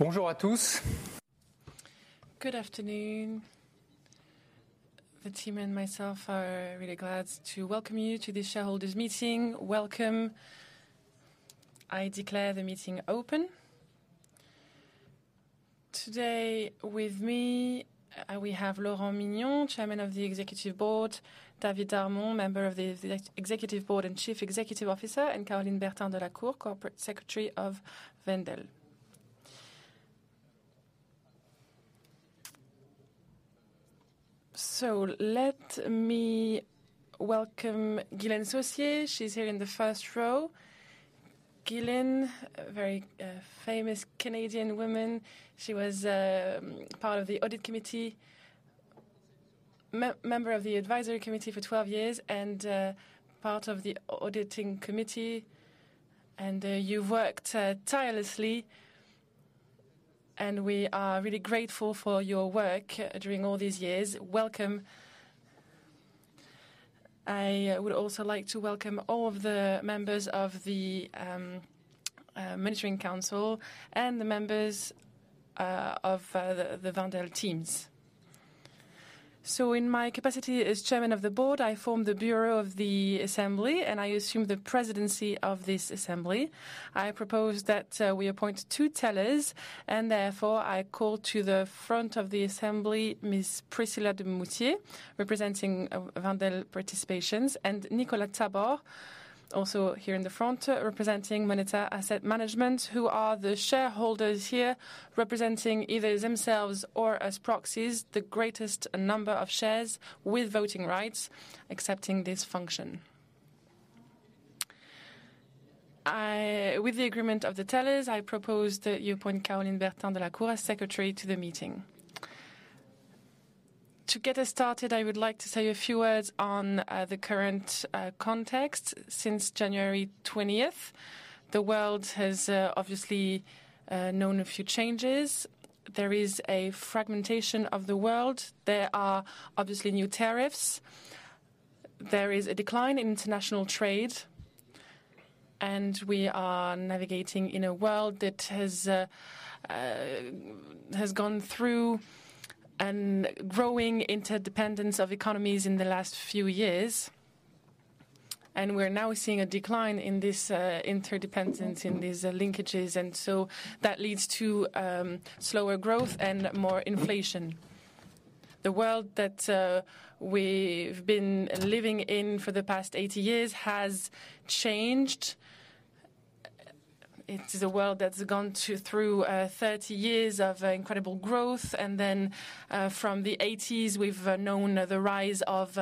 Bonjour à tous. Good afternoon. The team and myself are really glad to welcome you to this shareholders' meeting. Welcome. I declare the meeting open. Today, with me, we have Laurent Mignon, Chairman of the Executive Board; David Darmon, Member of the Executive Board and Chief Executive Officer; and Caroline Berthard de la Cour, Corporate Secretary of Wendel. Let me welcome Ghislaine Saucier. She's here in the first row. Ghislaine, a very famous Canadian woman. She was part of the audit committee, member of the advisory committee for 12 years, and part of the auditing committee. You've worked tirelessly, and we are really grateful for your work during all these years. Welcome. I would also like to welcome all of the members of the Monitoring Council and the members of the Wendel teams. In my capacity as Chairman of the Board, I form the Bureau of the Assembly, and I assume the presidency of this assembly. I propose that we appoint two tellers, and therefore I call to the front of the assembly Ms. Priscilla de Moustier, representing Wendel Participations, and Nicolas Tabor, also here in the front, representing Moneta Asset Management, who are the shareholders here representing either themselves or as proxies the greatest number of shares with voting rights accepting this function. With the agreement of the tellers, I propose that you appoint Caroline Berthard de la Cour as Secretary to the meeting. To get us started, I would like to say a few words on the current context. Since January 20th, the world has obviously known a few changes. There is a fragmentation of the world. There are obviously new tariffs. There is a decline in international trade. We are navigating in a world that has gone through a growing interdependence of economies in the last few years. We're now seeing a decline in this interdependence, in these linkages. That leads to slower growth and more inflation. The world that we've been living in for the past 80 years has changed. It is a world that's gone through 30 years of incredible growth. Then from the '80s, we've known the rise of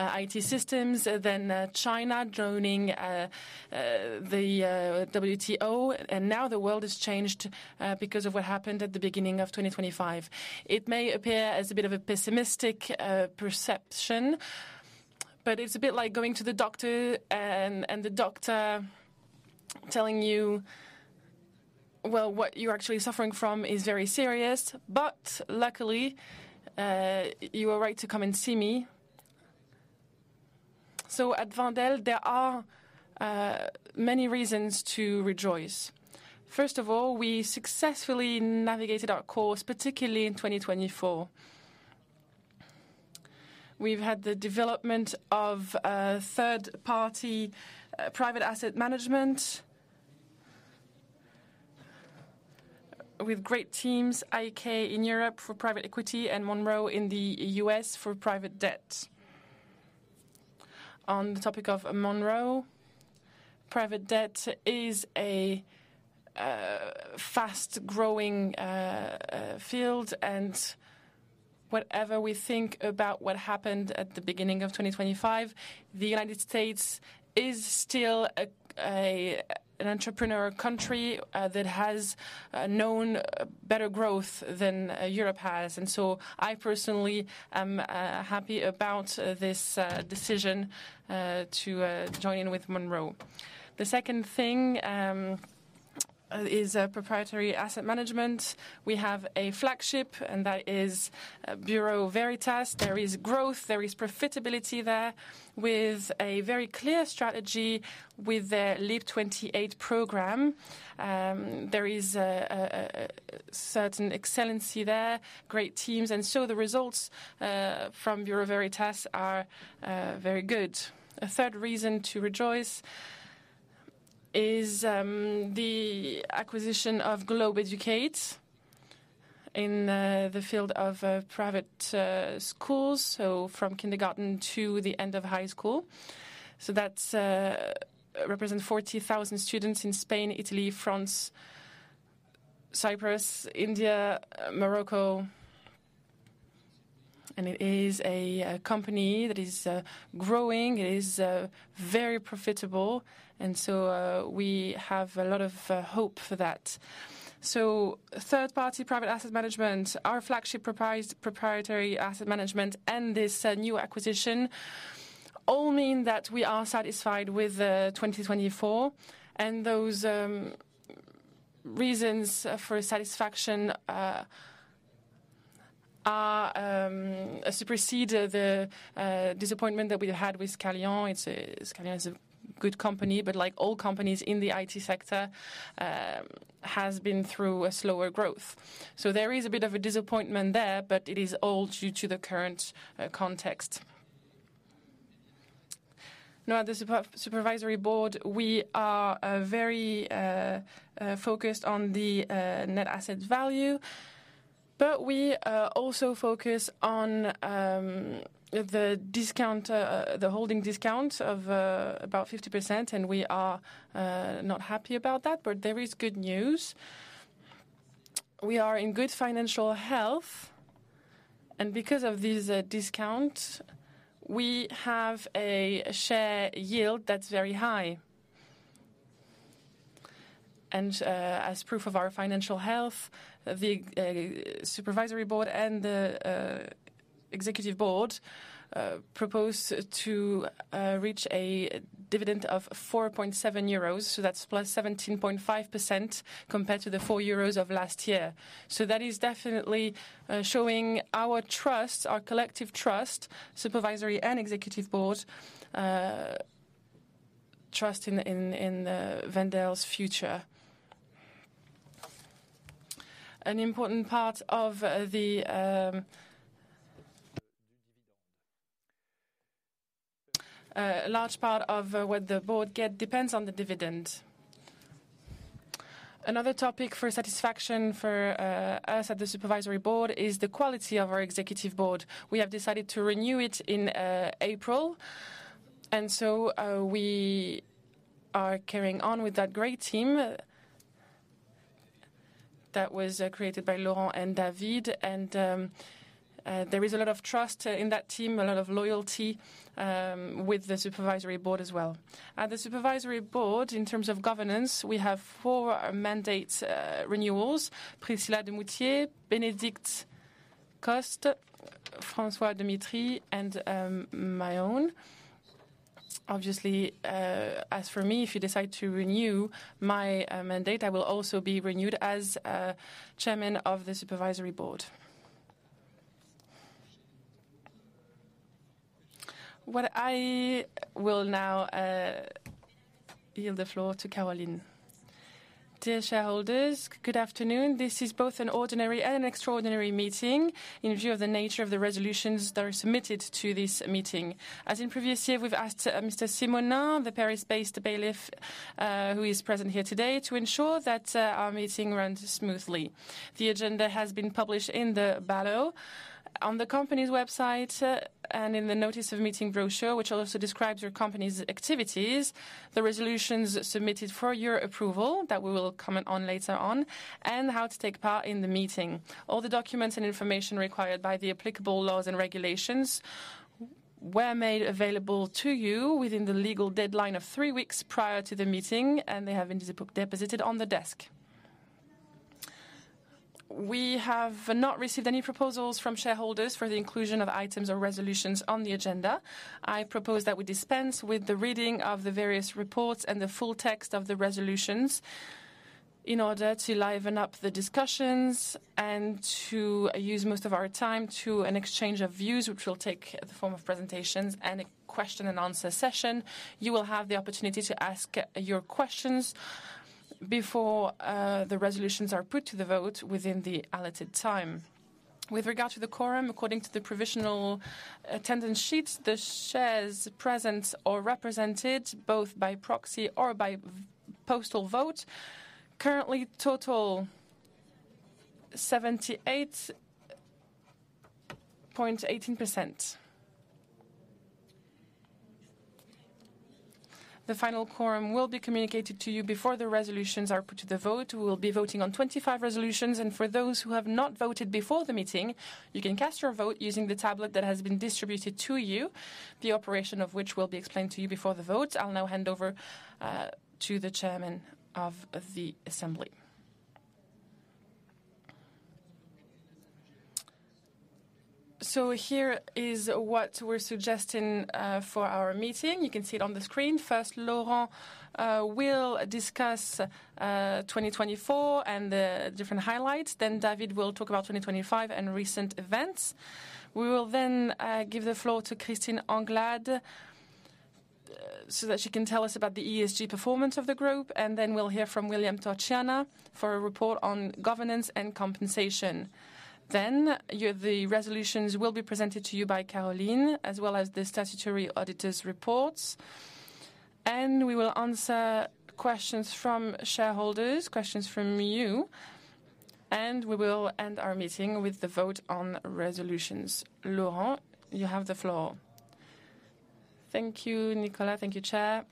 IT systems, then China joining the WTO. Now the world has changed because of what happened at the beginning of 2025. It may appear as a bit of a pessimistic perception, but it's a bit like going to the doctor and the doctor telling you, well, what you're actually suffering from is very serious. But luckily, you are right to come and see me. At Wendel, there are many reasons to rejoice. First of all, we successfully navigated our course, particularly in 2024. We've had the development of a third-party private asset management with great teams, a.k.a. in Europe for private equity and Monroe in the U.S. for private debt. On the topic of Monroe, private debt is a fast-growing field. Whatever we think about what happened at the beginning of 2025, the United States is still an entrepreneur country that has known better growth than Europe has. I personally am happy about this decision to join in with Monroe. The second thing is proprietary asset management. We have a flagship, and that is Bureau Veritas. There is growth. There is profitability there with a very clear strategy with their LEAP28 program. There is a certain excellency there, great teams. The results from Bureau Veritas are very good. A third reason to rejoice is the acquisition of Globe Educate in the field of private schools, from kindergarten to the end of high school. That represents 40,000 students in Spain, Italy, France, Cyprus, India, Morocco. It is a company that is growing. It is very profitable. We have a lot of hope for that. Third-party private asset management, our flagship proprietary asset management, and this new acquisition all mean that we are satisfied with 2024. Those reasons for satisfaction supersede the disappointment that we had with Scalion. Scalion is a good company, but like all companies in the IT sector, has been through a slower growth. There is a bit of a disappointment there, but it is all due to the current context. Now, the Supervisory Board, we are very focused on the net asset value, but we also focus on the discount, the holding discount of about 50%. We are not happy about that, but there is good news. We are in good financial health. Because of these discounts, we have a share yield that's very high. As proof of our financial health, the Supervisory Board and the Executive Board propose to reach a dividend of 4.7 euros. That's plus 17.5% compared to the 4 euros of last year. That is definitely showing our trust, our collective trust, Supervisory and Executive Board trust in Wendel's future. An important part of the large part of what the board gets depends on the dividend. Another topic for satisfaction for us at the Supervisory Board is the quality of our Executive Board. We have decided to renew it in April. We are carrying on with that great team that was created by Laurent and David. There is a lot of trust in that team, a lot of loyalty with the Supervisory Board as well. At the Supervisory Board, in terms of governance, we have four mandate renewals: Priscilla de Moustier, Bénédicte Coste, François Demitry, and my own. Obviously, as for me, if you decide to renew my mandate, I will also be renewed as Chairman of the Supervisory Board. I will now yield the floor to Caroline. Dear shareholders, good afternoon. This is both an ordinary and an extraordinary meeting in view of the nature of the resolutions that are submitted to this meeting. As in previous years, we've asked Mr. Simonin, the Paris-based bailiff, who is present here today, to ensure that our meeting runs smoothly. The agenda has been published in the ballot on the company's website and in the notice of meeting brochure, which also describes your company's activities, the resolutions submitted for your approval that we will comment on later on, and how to take part in the meeting. All the documents and information required by the applicable laws and regulations were made available to you within the legal deadline of three weeks prior to the meeting, and they have been deposited on the desk. We have not received any proposals from shareholders for the inclusion of items or resolutions on the agenda. I propose that we dispense with the reading of the various reports and the full text of the resolutions in order to liven up the discussions and to use most of our time to an exchange of views, which will take the form of presentations and a question-and-answer session. You will have the opportunity to ask your questions before the resolutions are put to the vote within the allotted time. With regard to the quorum, according to the provisional attendance sheet, the shares present or represented both by proxy or by postal vote currently total 78.18%. The final quorum will be communicated to you before the resolutions are put to the vote. We will be voting on 25 resolutions. For those who have not voted before the meeting, you can cast your vote using the tablet that has been distributed to you, the operation of which will be explained to you before the vote. I'll now hand over to the Chairman of the Assembly. Here is what we're suggesting for our meeting. You can see it on the screen. First, Laurent will discuss 2024 and the different highlights. Then David will talk about 2025 and recent events. We will then give the floor to Christine Anglad so that she can tell us about the ESG performance of the group. Then we'll hear from William Torchiana for a report on governance and compensation. Then the resolutions will be presented to you by Caroline, as well as the statutory auditor's reports. We will answer questions from shareholders, questions from you. We will end our meeting with the vote on resolutions. Laurent, you have the floor. Thank you, Nicolas. Thank you, Chair.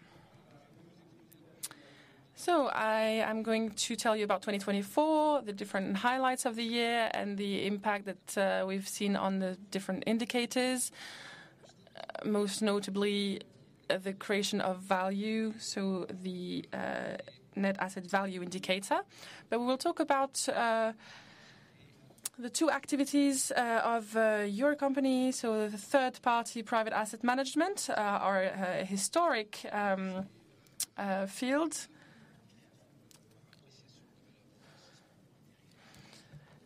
I am going to tell you about 2024, the different highlights of the year, and the impact that we've seen on the different indicators, most notably the creation of value, so the net asset value indicator. We will talk about the two activities of your company. The third-party private asset management, our historic field.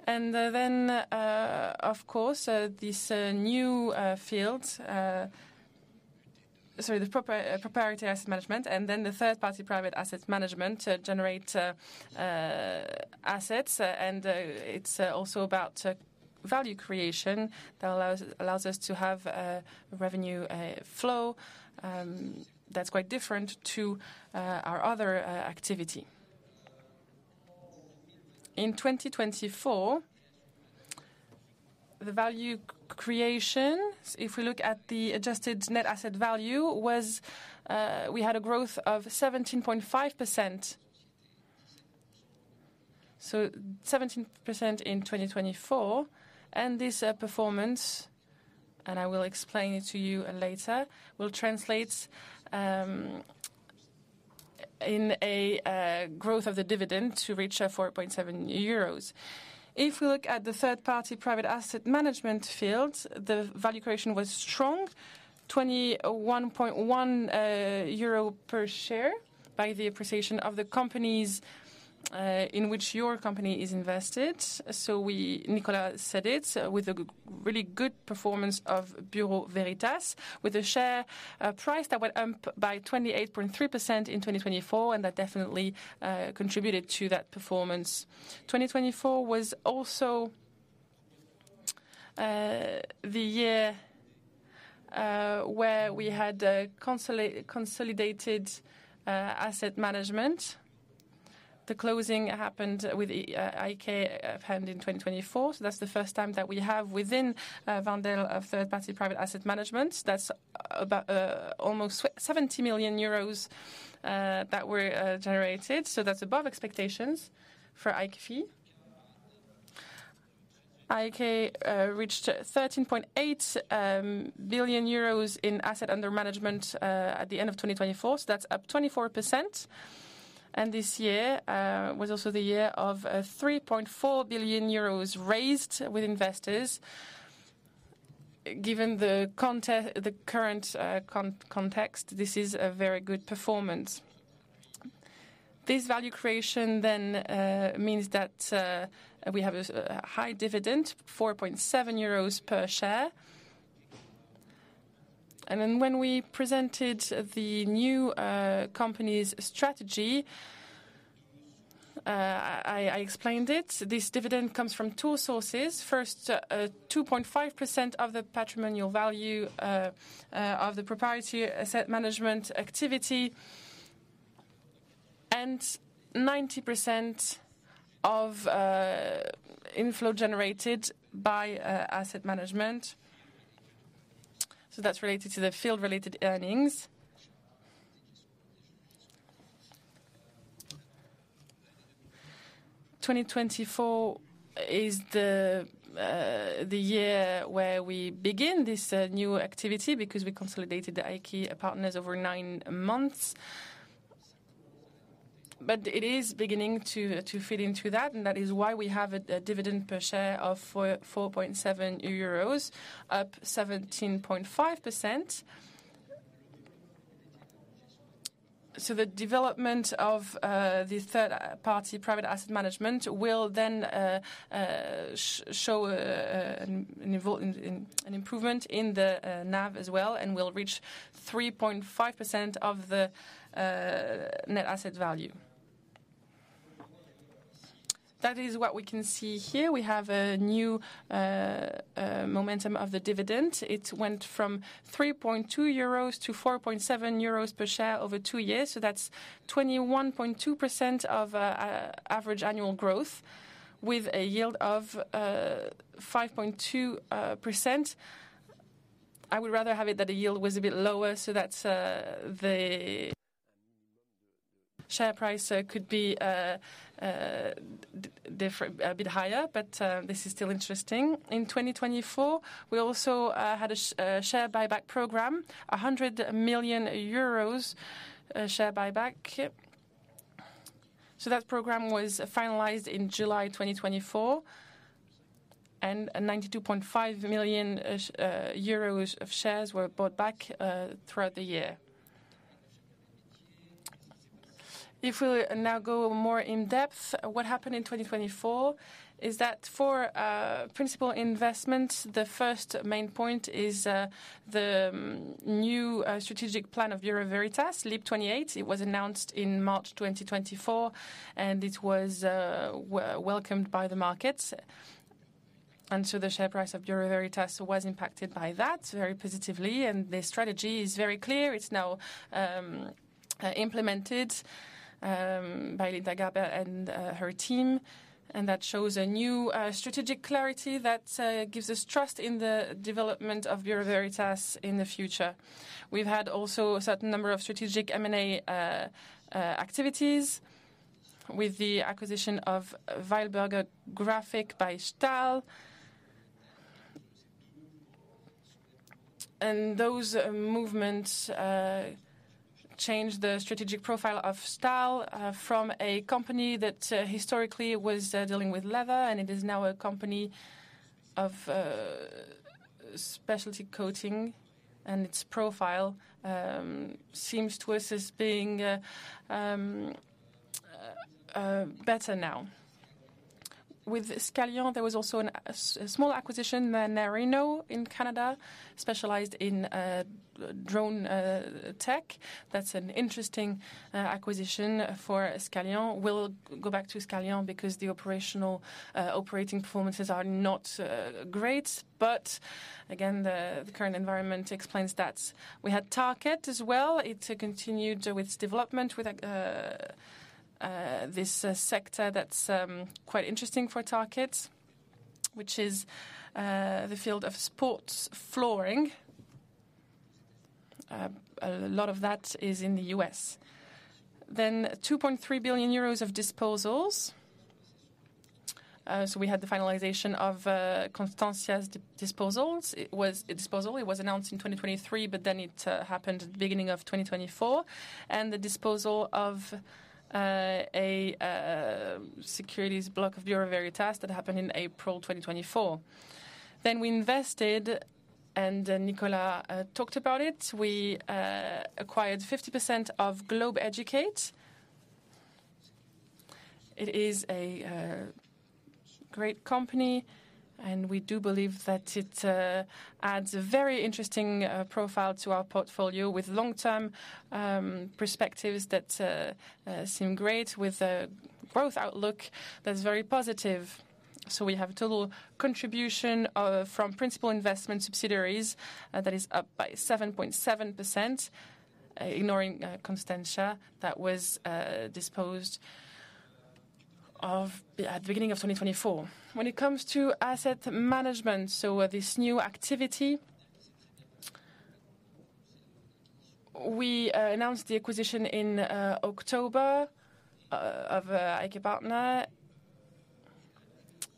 And then, of course, this new field, sorry, the proprietary asset management, and then the third-party private asset management to generate assets. It's also about value creation that allows us to have a revenue flow that's quite different to our other activity. In 2024, the value creation, if we look at the adjusted net asset value, we had a growth of 17.5%. So 17% in 2024. This performance, and I will explain it to you later, will translate in a growth of the dividend to reach 4.7 euros. If we look at the third-party private asset management field, the value creation was strong, 21.1 euro per share by the appreciation of the companies in which your company is invested. Nicolas said it with a really good performance of Bureau Veritas, with a share price that went up by 28.3% in 2024, and that definitely contributed to that performance. 2024 was also the year where we had consolidated asset management. The closing happened with a.k.a. FMD in 2024. That's the first time that we have within Wendel a third-party private asset management. That's almost €70 million that were generated. That's above expectations for iQVIEL. iQVIEL reached 13.8 billion euros in assets under management at the end of 2024. That's up 24%. This year was also the year of 3.4 billion euros raised with investors. Given the current context, this is a very good performance. This value creation then means that we have a high dividend, 4.7 euros per share. When we presented the new company's strategy, I explained it. This dividend comes from two sources. First, 2.5% of the patrimonial value of the proprietary asset management activity and 90% of inflow generated by asset management. That's related to the field-related earnings. 2024 is the year where we begin this new activity because we consolidated the iQVIEL partners over nine months. But it is beginning to fit into that. That is why we have a dividend per share of 4.7 euros, up 17.5%. The development of the third-party private asset management will then show an improvement in the NAV as well and will reach 3.5% of the net asset value. That is what we can see here. We have a new momentum of the dividend. It went from 3.2 euros to 4.7 euros per share over two years. That's 21.2% of average annual growth with a yield of 5.2%. I would rather have it that the yield was a bit lower so that the share price could be a bit higher, but this is still interesting. In 2024, we also had a share buyback program, 100 million euros share buyback. The program was finalized in July 2024, and 92.5 million euros of shares were bought back throughout the year. If we now go more in depth, what happened in 2024 is that for principal investments, the first main point is the new strategic plan of Bureau Veritas, LEAP28. It was announced in March 2024, and it was welcomed by the markets. The share price of Bureau Veritas was impacted by that very positively. The strategy is very clear. It's now implemented by Linda Garber and her team. That shows a new strategic clarity that gives us trust in the development of Bureau Veritas in the future. We've had also a certain number of strategic M&A activities with the acquisition of Weilberger Graphic by Stahl. Those movements changed the strategic profile of Stahl from a company that historically was dealing with leather, and it is now a company of specialty coating. Its profile seems to us as being better now. With Scallion, there was also a small acquisition, Nerino in Canada, specialized in drone tech. That's an interesting acquisition for Scallion. We'll go back to Scallion because the operational operating performances are not great. Again, the current environment explains that. We had Tarkett as well. It continued with development with this sector that's quite interesting for Tarkett, which is the field of sports flooring. A lot of that is in the U.S. 2.3 billion euros of disposals. We had the finalization of Constantius's disposal. It was a disposal. It was announced in 2023, but it happened at the beginning of 2024. And the disposal of a securities block of Bureau Veritas that happened in April 2024. We invested, and Nicolas talked about it. We acquired 50% of Globeducate. It is a great company. We do believe that it adds a very interesting profile to our portfolio with long-term perspectives that seem great with a growth outlook that's very positive. We have a total contribution from principal investment subsidiaries that is up by 7.7%, ignoring Constantius that was disposed of at the beginning of 2024. When it comes to asset management, this new activity, we announced the acquisition in October of iQVIEL partner.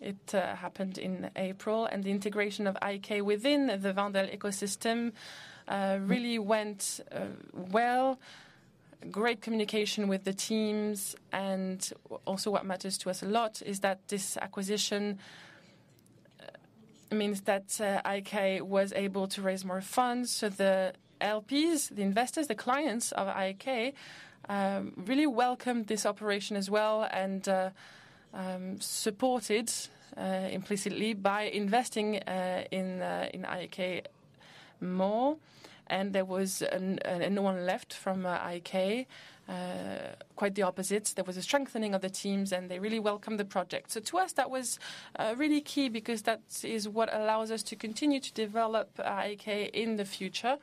It happened in April. The integration of iQVIEL within the Wendel ecosystem really went well. Great communication with the teams. What matters to us a lot is that this acquisition means that iQVIEL was able to raise more funds. The LPs, the investors, the clients of iQVIEL really welcomed this operation as well and supported implicitly by investing in iQVIEL more. There was no one left from iQVIEL, quite the opposite. There was a strengthening of the teams, and they really welcomed the project. To us, that was really key because that is what allows us to continue to develop iQVIEL in the future.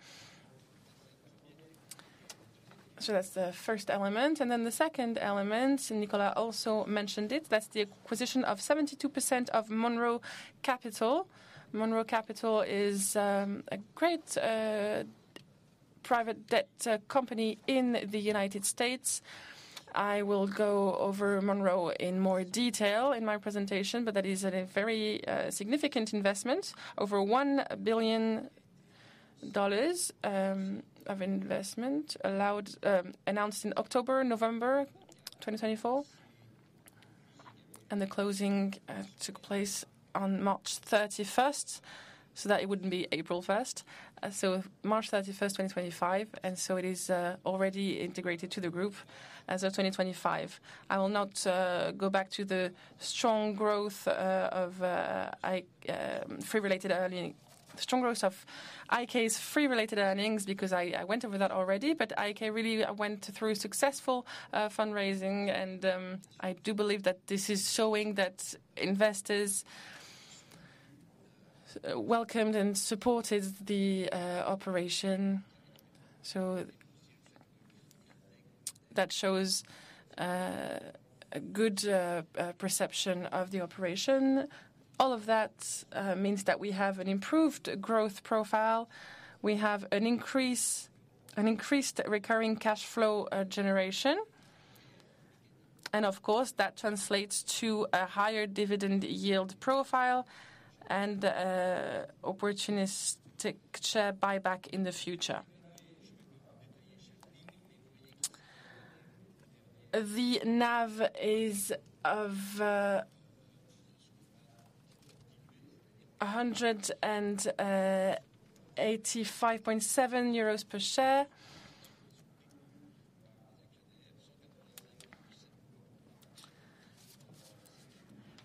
That's the first element. The second element, Nicolas also mentioned it, that's the acquisition of 72% of Monroe Capital. Monroe Capital is a great private debt company in the United States. I will go over Monroe in more detail in my presentation, but that is a very significant investment, over $1 billion of investment announced in October, November 2024. The closing took place on March 31st, so that it wouldn't be April 1st. March 31st, 2025. It is already integrated to the group as of 2025. I will not go back to the strong growth of IQVIEL's free-related earnings because I went over that already. But IQVIEL really went through successful fundraising. I do believe that this is showing that investors welcomed and supported the operation. That shows a good perception of the operation. All of that means that we have an improved growth profile. We have an increased recurring cash flow generation. Of course, that translates to a higher dividend yield profile and opportunistic share buyback in the future. The NAV is 185.7 euros per share.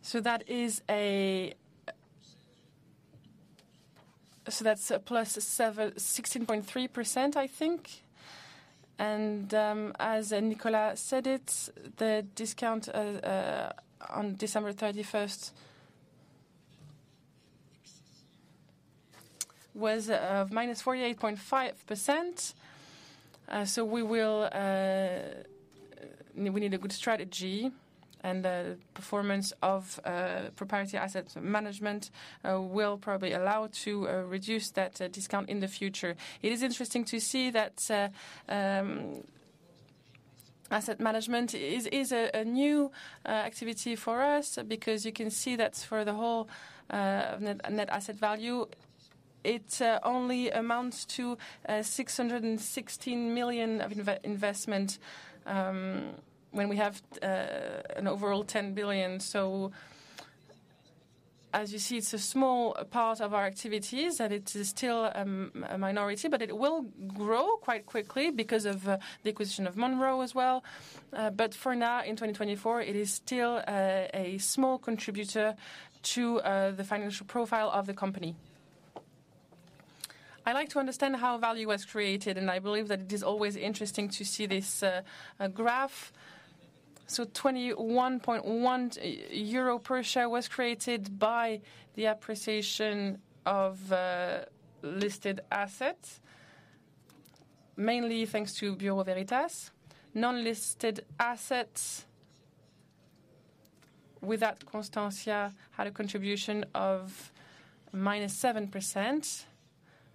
So that is a plus 16.3%, I think. As Nicolas said it, the discount on December 31st was minus 48.5%. So we need a good strategy. The performance of proprietary asset management will probably allow to reduce that discount in the future. It is interesting to see that asset management is a new activity for us because you can see that for the whole net asset value, it only amounts to 616 million of investment when we have an overall 10 billion. So as you see, it's a small part of our activities and it is still a minority, but it will grow quite quickly because of the acquisition of Monroe as well. But for now, in 2024, it is still a small contributor to the financial profile of the company. I like to understand how value was created, and I believe that it is always interesting to see this graph. So 21.1 euro per share was created by the appreciation of listed assets, mainly thanks to Bureau Veritas. Non-listed assets with that Constantius had a contribution of minus 7%,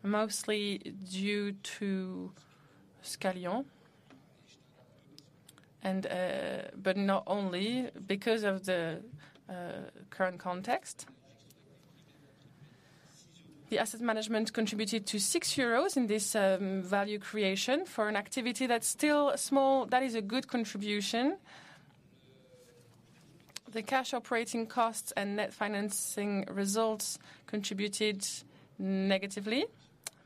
mostly due to Scallion, but not only because of the current context. The asset management contributed to 6 euros in this value creation for an activity that's still small. That is a good contribution. The cash operating costs and net financing results contributed negatively,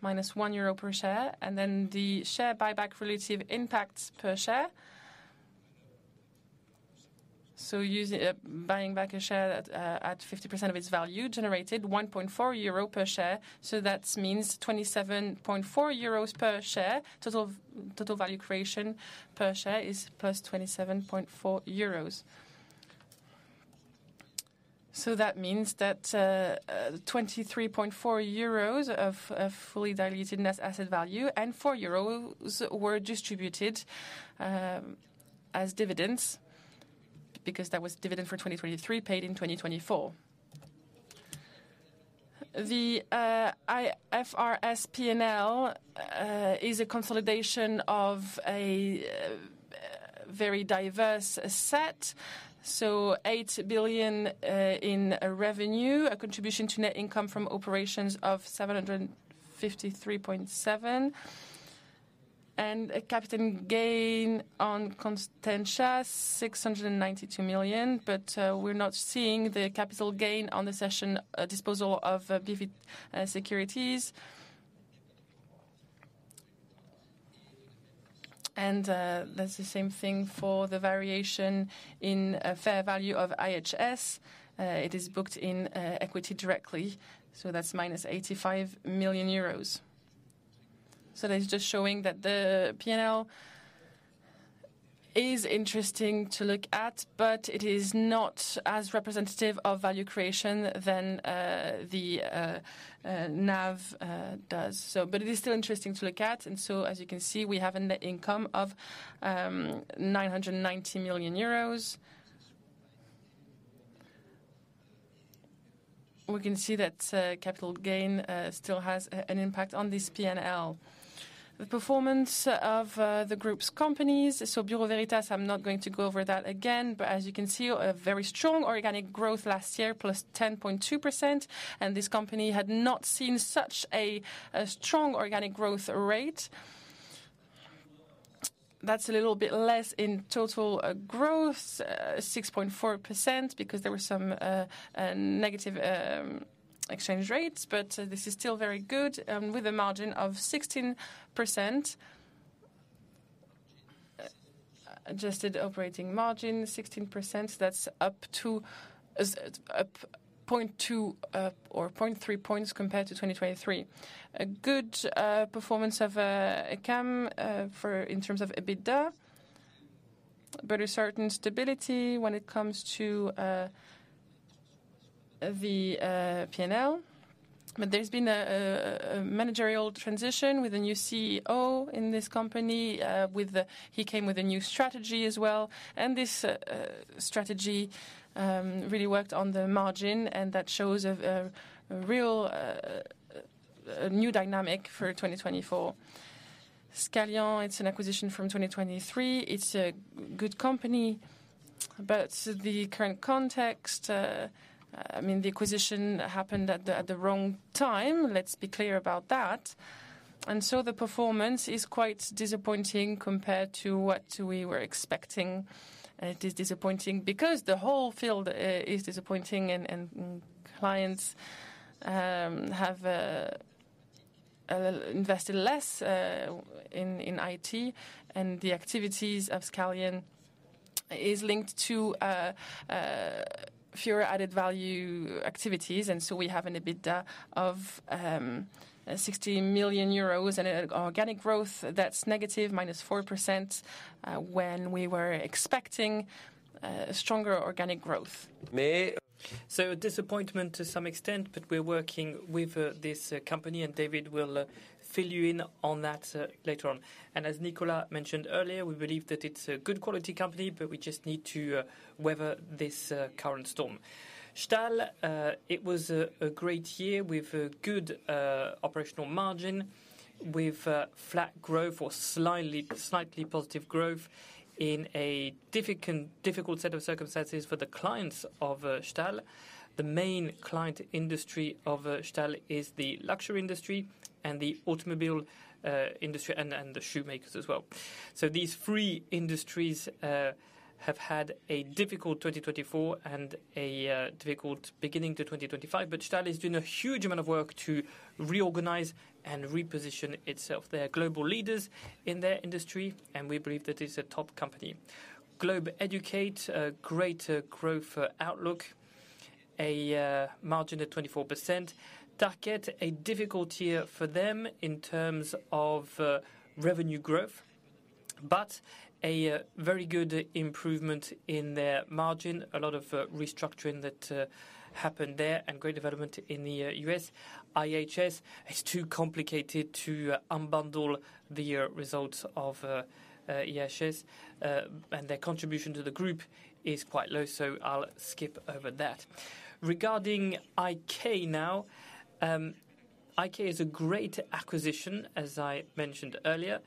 minus 1 euro per share. And then the share buyback relative impact per share. So buying back a share at 50% of its value generated 1.4 euro per share. So that means 27.4 euros per share. Total value creation per share is €27.4. That means €23.4 of fully diluted net asset value and €4 were distributed as dividends because that was dividend for 2023 paid in 2024. The IFRS P&L is a consolidation of a very diverse set. 8 billion in revenue, a contribution to net income from operations of 753.7 million. Capital gain on Constantius, 692 million. But we're not seeing the capital gain on the session disposal of BVIEL securities. That's the same thing for the variation in fair value of IHS. It is booked in equity directly. That's minus 85 million euros. That is just showing that the P&L is interesting to look at, but it is not as representative of value creation than the NAV does. But it is still interesting to look at. As you can see, we have a net income of 990 million euros. We can see that capital gain still has an impact on this P&L. The performance of the group's companies, so Bureau Veritas, I'm not going to go over that again. But as you can see, a very strong organic growth last year, plus 10.2%. This company had not seen such a strong organic growth rate. That's a little bit less in total growth, 6.4%, because there were some negative exchange rates. But this is still very good with a margin of 16%. Adjusted operating margin, 16%. That's up to 0.2 or 0.3 points compared to 2023. A good performance of ECAM in terms of EBITDA, but a certain stability when it comes to the P&L. But there's been a managerial transition with a new CEO in this company. He came with a new strategy as well. This strategy really worked on the margin. That shows a real new dynamic for 2024. Scallion, it's an acquisition from 2023. It's a good company. But the current context, I mean, the acquisition happened at the wrong time. Let's be clear about that. So the performance is quite disappointing compared to what we were expecting. It is disappointing because the whole field is disappointing and clients have invested less in IT. The activities of Scallion are linked to fewer added value activities. So we have an EBITDA of 60 million euros and an organic growth that's negative, -4%, when we were expecting stronger organic growth. But so disappointment to some extent, but we're working with this company and David will fill you in on that later on. As Nicolas mentioned earlier, we believe that it's a good quality company, but we just need to weather this current storm. Stal, it was a great year with a good operational margin, with flat growth or slightly positive growth in a difficult set of circumstances for the clients of Stal. The main client industry of Stal is the luxury industry and the automobile industry and the shoe makers as well. These three industries have had a difficult 2024 and a difficult beginning to 2025. But Stal is doing a huge amount of work to reorganize and reposition itself. They are global leaders in their industry, and we believe that it's a top company. Globe Educate, a great growth outlook, a margin of 24%. Tarkett, a difficult year for them in terms of revenue growth, but a very good improvement in their margin. A lot of restructuring happened there and great development in the U.S. IHS is too complicated to unbundle the results of IHS, and their contribution to the group is quite low. I'll skip over that. Regarding iQVIELD now, iQVIELD is a great acquisition, as I mentioned earlier.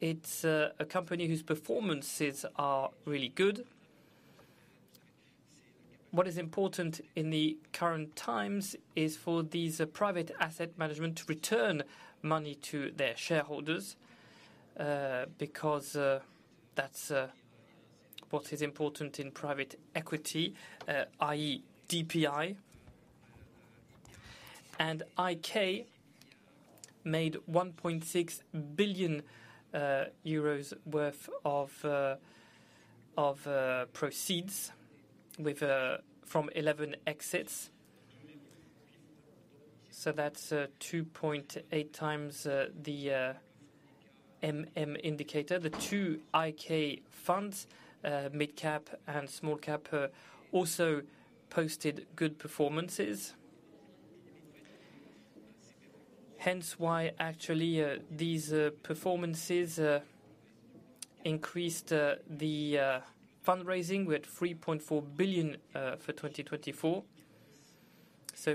It's a company whose performances are really good. What is important in the current times is for these private asset management to return money to their shareholders because that's what is important in private equity, i.e. DPI. iQVIELD made 1.6 billion euros worth of proceeds from 11 exits. That's 2.8 times the indicator. The two iQVIELD funds, mid-cap and small-cap, also posted good performances. Hence why, actually, these performances increased the fundraising with 3.4 billion for 2024.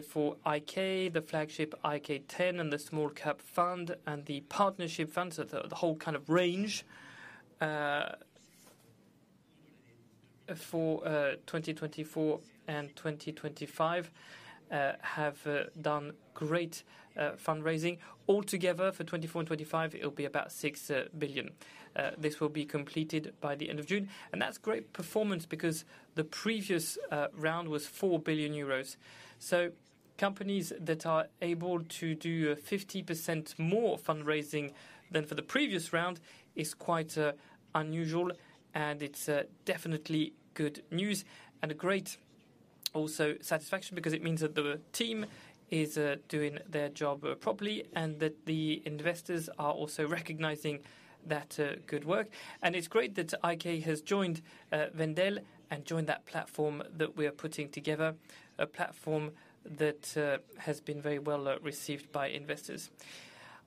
For iQVIELD, the flagship iQVIELD 10 and the small-cap fund and the partnership funds, the whole kind of range for 2024 and 2025 have done great fundraising. Altogether, for 2024 and 2025, it will be about $6 billion. This will be completed by the end of June. That's great performance because the previous round was $4 billion. Companies that are able to do 50% more fundraising than for the previous round is quite unusual, and it's definitely good news and a great satisfaction because it means that the team is doing their job properly and that the investors are also recognizing that good work. It's great that iQVIELD has joined Vendel and joined that platform that we are putting together, a platform that has been very well received by investors.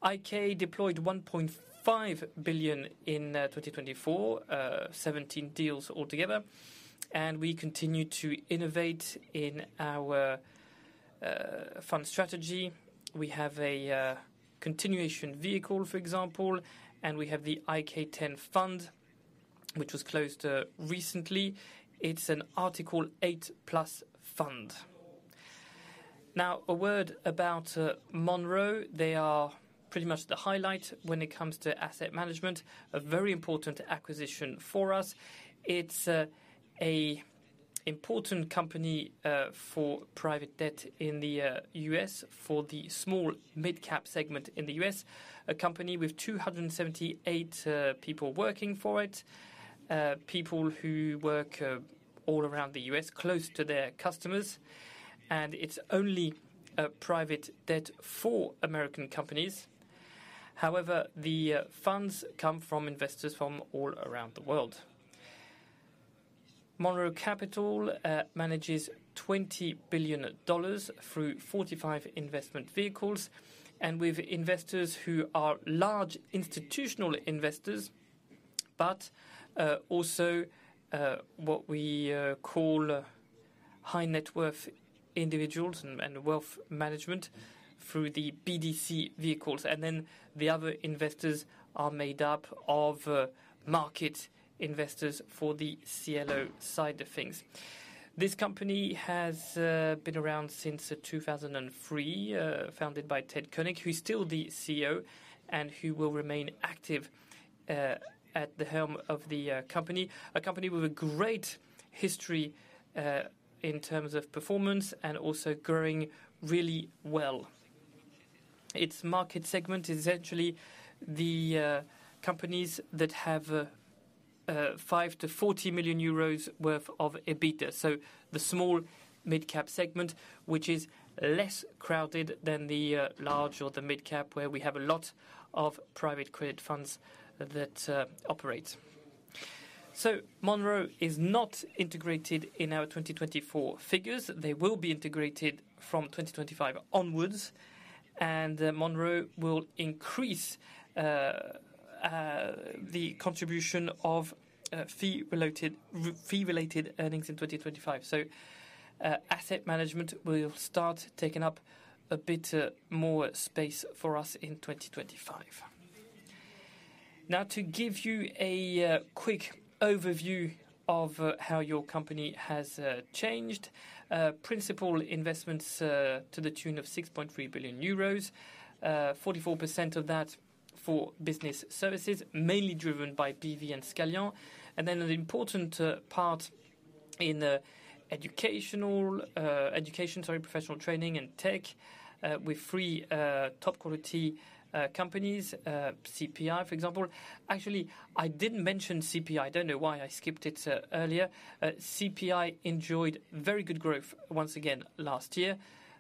iQVIELD deployed $1.5 billion in 2024, 17 deals altogether. We continue to innovate in our fund strategy. We have a continuation vehicle, for example, and we have the iQVIELD 10 fund, which was closed recently. It's an Article 8 plus fund. Now, a word about Monroe. They are pretty much the highlight when it comes to asset management, a very important acquisition for us. It's an important company for private debt in the U.S., for the small mid-cap segment in the U.S., a company with 278 people working for it, people who work all around the U.S., close to their customers. It's only private debt for American companies. However, the funds come from investors from all around the world. Monroe Capital manages $20 billion through 45 investment vehicles and with investors who are large institutional investors, but also what we call high net worth individuals and wealth management through the BDC vehicles. The other investors are made up of market investors for the CLO side of things. This company has been around since 2003, founded by Ted Koenig, who is still the CEO and who will remain active at the helm of the company, a company with a great history in terms of performance and also growing really well. Its market segment is actually the companies that have 5-40 million euros worth of EBITDA. So the small mid-cap segment, which is less crowded than the large or the mid-cap where we have a lot of private credit funds that operate. So Monroe is not integrated in our 2024 figures. They will be integrated from 2025 onwards. Monroe will increase the contribution of fee-related earnings in 2025. So asset management will start taking up a bit more space for us in 2025. Now, to give you a quick overview of how your company has changed, principal investments to the tune of €6.3 billion, 44% of that for business services, mainly driven by BV and Scallion. An important part in education, professional training and tech with three top quality companies, CPI, for example. Actually, I didn't mention CPI. I don't know why I skipped it earlier. CPI enjoyed very good growth once again last year,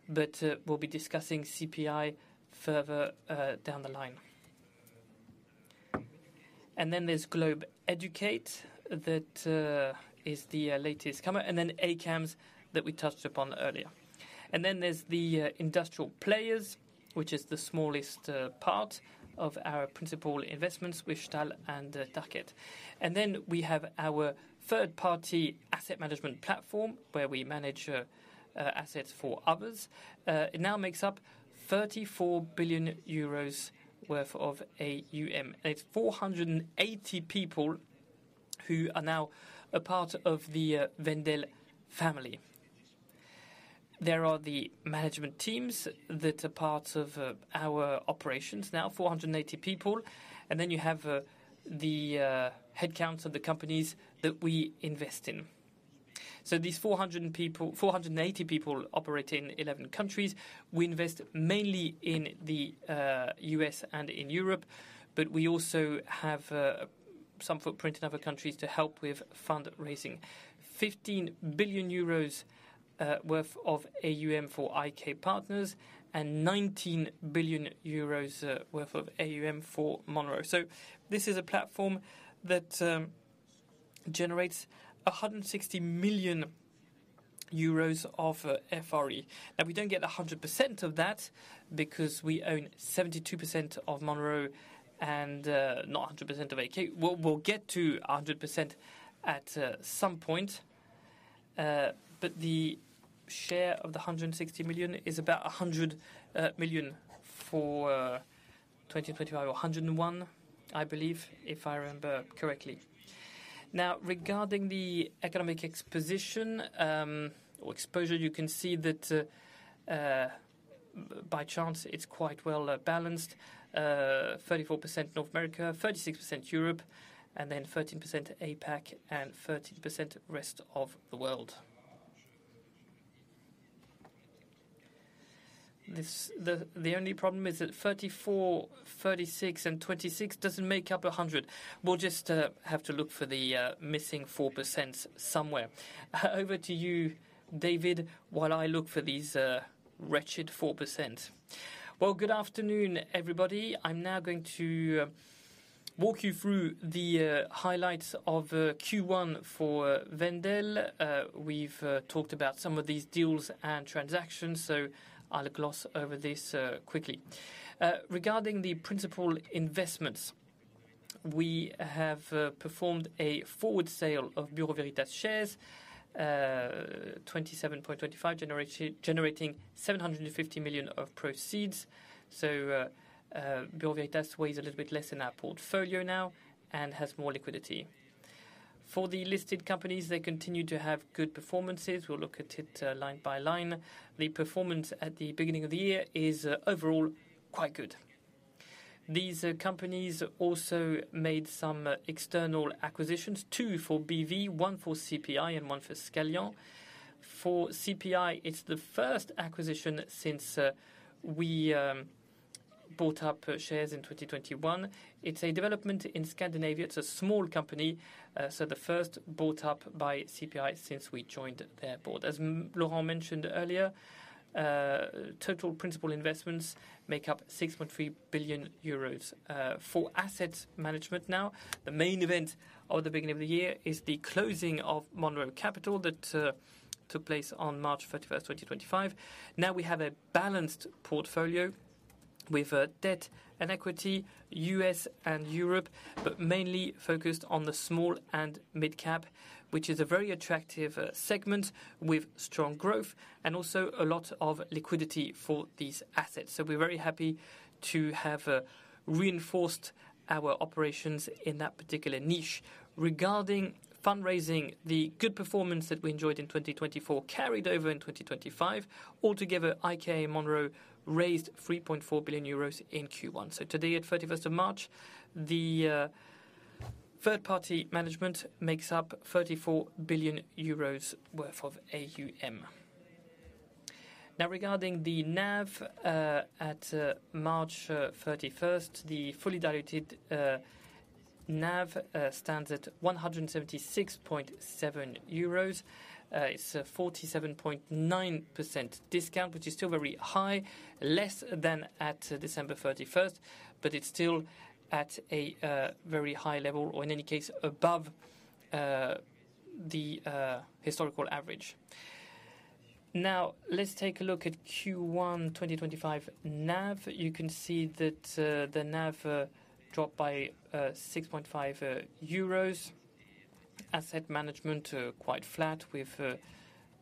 but we'll be discussing CPI further down the line. There's Globe Educate that is the latest comment. There's ACAMS that we touched upon earlier. There's the industrial players, which is the smallest part of our principal investments with Stal and Tarket. We have our third-party asset management platform where we manage assets for others. It now makes up 34 billion euros worth of AUM. It's 480 people who are now a part of the Vendel family. There are the management teams that are part of our operations now, 480 people. Then you have the headcounts of the companies that we invest in. So these 480 people operate in 11 countries. We invest mainly in the US and in Europe, but we also have some footprint in other countries to help with fundraising, 15 billion euros worth of AUM for iQVIELD partners and 19 billion euros worth of AUM for Monroe. So this is a platform that generates 160 million euros of FRE. Now, we don't get 100% of that because we own 72% of Monroe and not 100% of iQVIELD. We'll get to 100% at some point. But the share of the €160 million is about 100 million for 2025 or 101 million, I believe, if I remember correctly. Now, regarding the economic exposition or exposure, you can see that by chance it's quite well balanced, 34% North America, 36% Europe, and then 13% APAC and 13% rest of the world. The only problem is that 34%, 36%, and 26% doesn't make up 100%. We'll just have to look for the missing 4% somewhere. Over to you, David, while I look for these wretched 4%. Well, good afternoon, everybody. I'm now going to walk you through the highlights of Q1 for Vendel. We've talked about some of these deals and transactions, so I'll gloss over this quickly. Regarding the principal investments, we have performed a forward sale of Bureau Veritas shares, 27.25, generating 750 million of proceeds. Bureau Veritas weighs a little bit less in our portfolio now and has more liquidity. For the listed companies, they continue to have good performances. We'll look at it line by line. The performance at the beginning of the year is overall quite good. These companies also made some external acquisitions, two for BV, one for CPI, and one for Scallion. For CPI, it's the first acquisition since we bought up shares in 2021. It's a development in Scandinavia. It's a small company. So the first bought up by CPI since we joined their board. As Laurent mentioned earlier, total principal investments make up 6.3 billion euros. For asset management now, the main event of the beginning of the year is the closing of Monroe Capital that took place on March 31st, 2024. Now we have a balanced portfolio with debt and equity, U.S. and Europe, but mainly focused on the small and mid-cap, which is a very attractive segment with strong growth and also a lot of liquidity for these assets. We're very happy to have reinforced our operations in that particular niche. Regarding fundraising, the good performance that we enjoyed in 2024 carried over in 2025. Altogether, iQVIELD and Monroe raised 3.4 billion euros in Q1. Today, at March 31st, the third-party management makes up 34 billion euros worth of AUM. Regarding the NAV at March 31st, the fully diluted NAV stands at 176.7 euros. It's a 47.9% discount, which is still very high, less than at December 31st, but it's still at a very high level or, in any case, above the historical average. Let's take a look at Q1 2025 NAV. You can see that the NAV dropped by 6.5 euros. Asset management quite flat with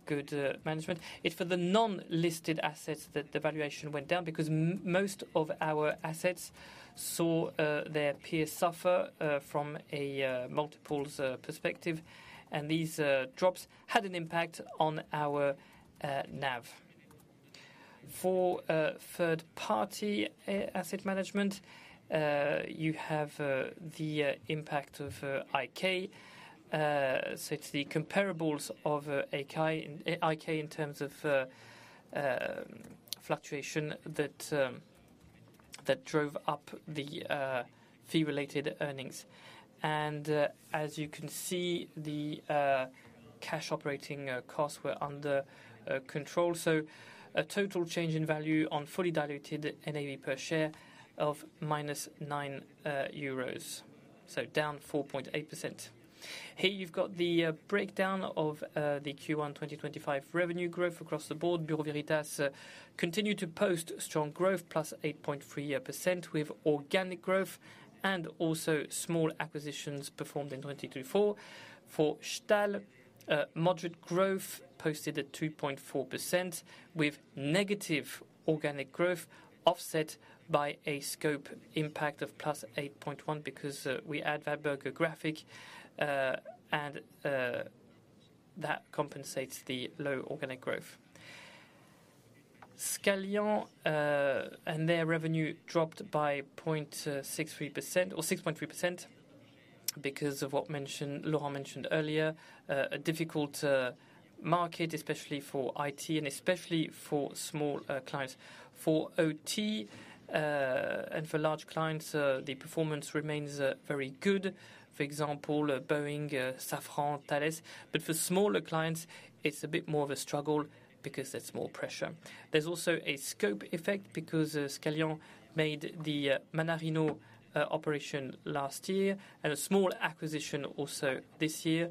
good management. It's for the non-listed assets that the valuation went down because most of our assets saw their peers suffer from a multiples perspective. These drops had an impact on our NAV. For third-party asset management, you have the impact of iQYIELD. It's the comparables of iQYIELD in terms of fluctuation that drove up the fee-related earnings. As you can see, the cash operating costs were under control. A total change in value on fully diluted NAV per share of minus 9 euros. Down 4.8%. Here you've got the breakdown of the Q1 2025 revenue growth across the board. Bureau Veritas continued to post strong growth, plus 8.3% with organic growth and also small acquisitions performed in 2024. For Stal, moderate growth posted at 2.4% with negative organic growth offset by a scope impact of plus 8.1% because we add Valberg graphic and that compensates the low organic growth. Scallion and their revenue dropped by 6.3% because of what Laurent mentioned earlier. A difficult market, especially for IT and especially for small clients. For OT and for large clients, the performance remains very good. For example, Boeing, Safran, Thales. But for smaller clients, it's a bit more of a struggle because there's more pressure. There's also a scope effect because Scalion made the Mannarino operation last year and a small acquisition also this year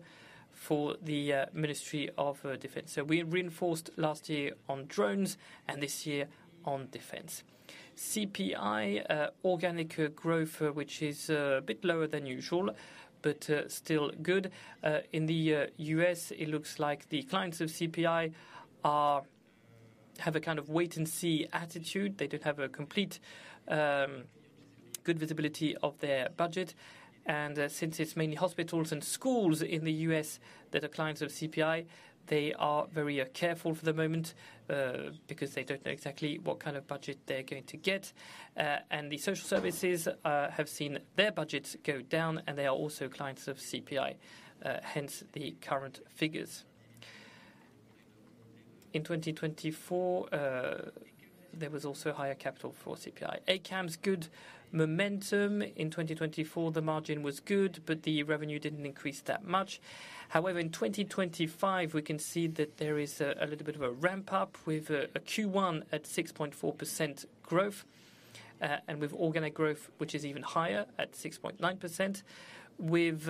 for the Ministry of Defense. So we reinforced last year on drones and this year on defense. CPI, organic growth, which is a bit lower than usual, but still good. In the U.S., it looks like the clients of CPI have a kind of wait-and-see attitude. They don't have complete good visibility of their budget. Since it's mainly hospitals and schools in the US that are clients of CPI, they are very careful for the moment because they don't know exactly what kind of budget they're going to get. The social services have seen their budgets go down, and they are also clients of CPI, hence the current figures. In 2024, there was also higher capital for CPI. ACAMS, good momentum. In 2024, the margin was good, but the revenue didn't increase that much. However, in 2025, we can see that there is a little bit of a ramp-up with a Q1 at 6.4% growth and with organic growth, which is even higher at 6.9%, with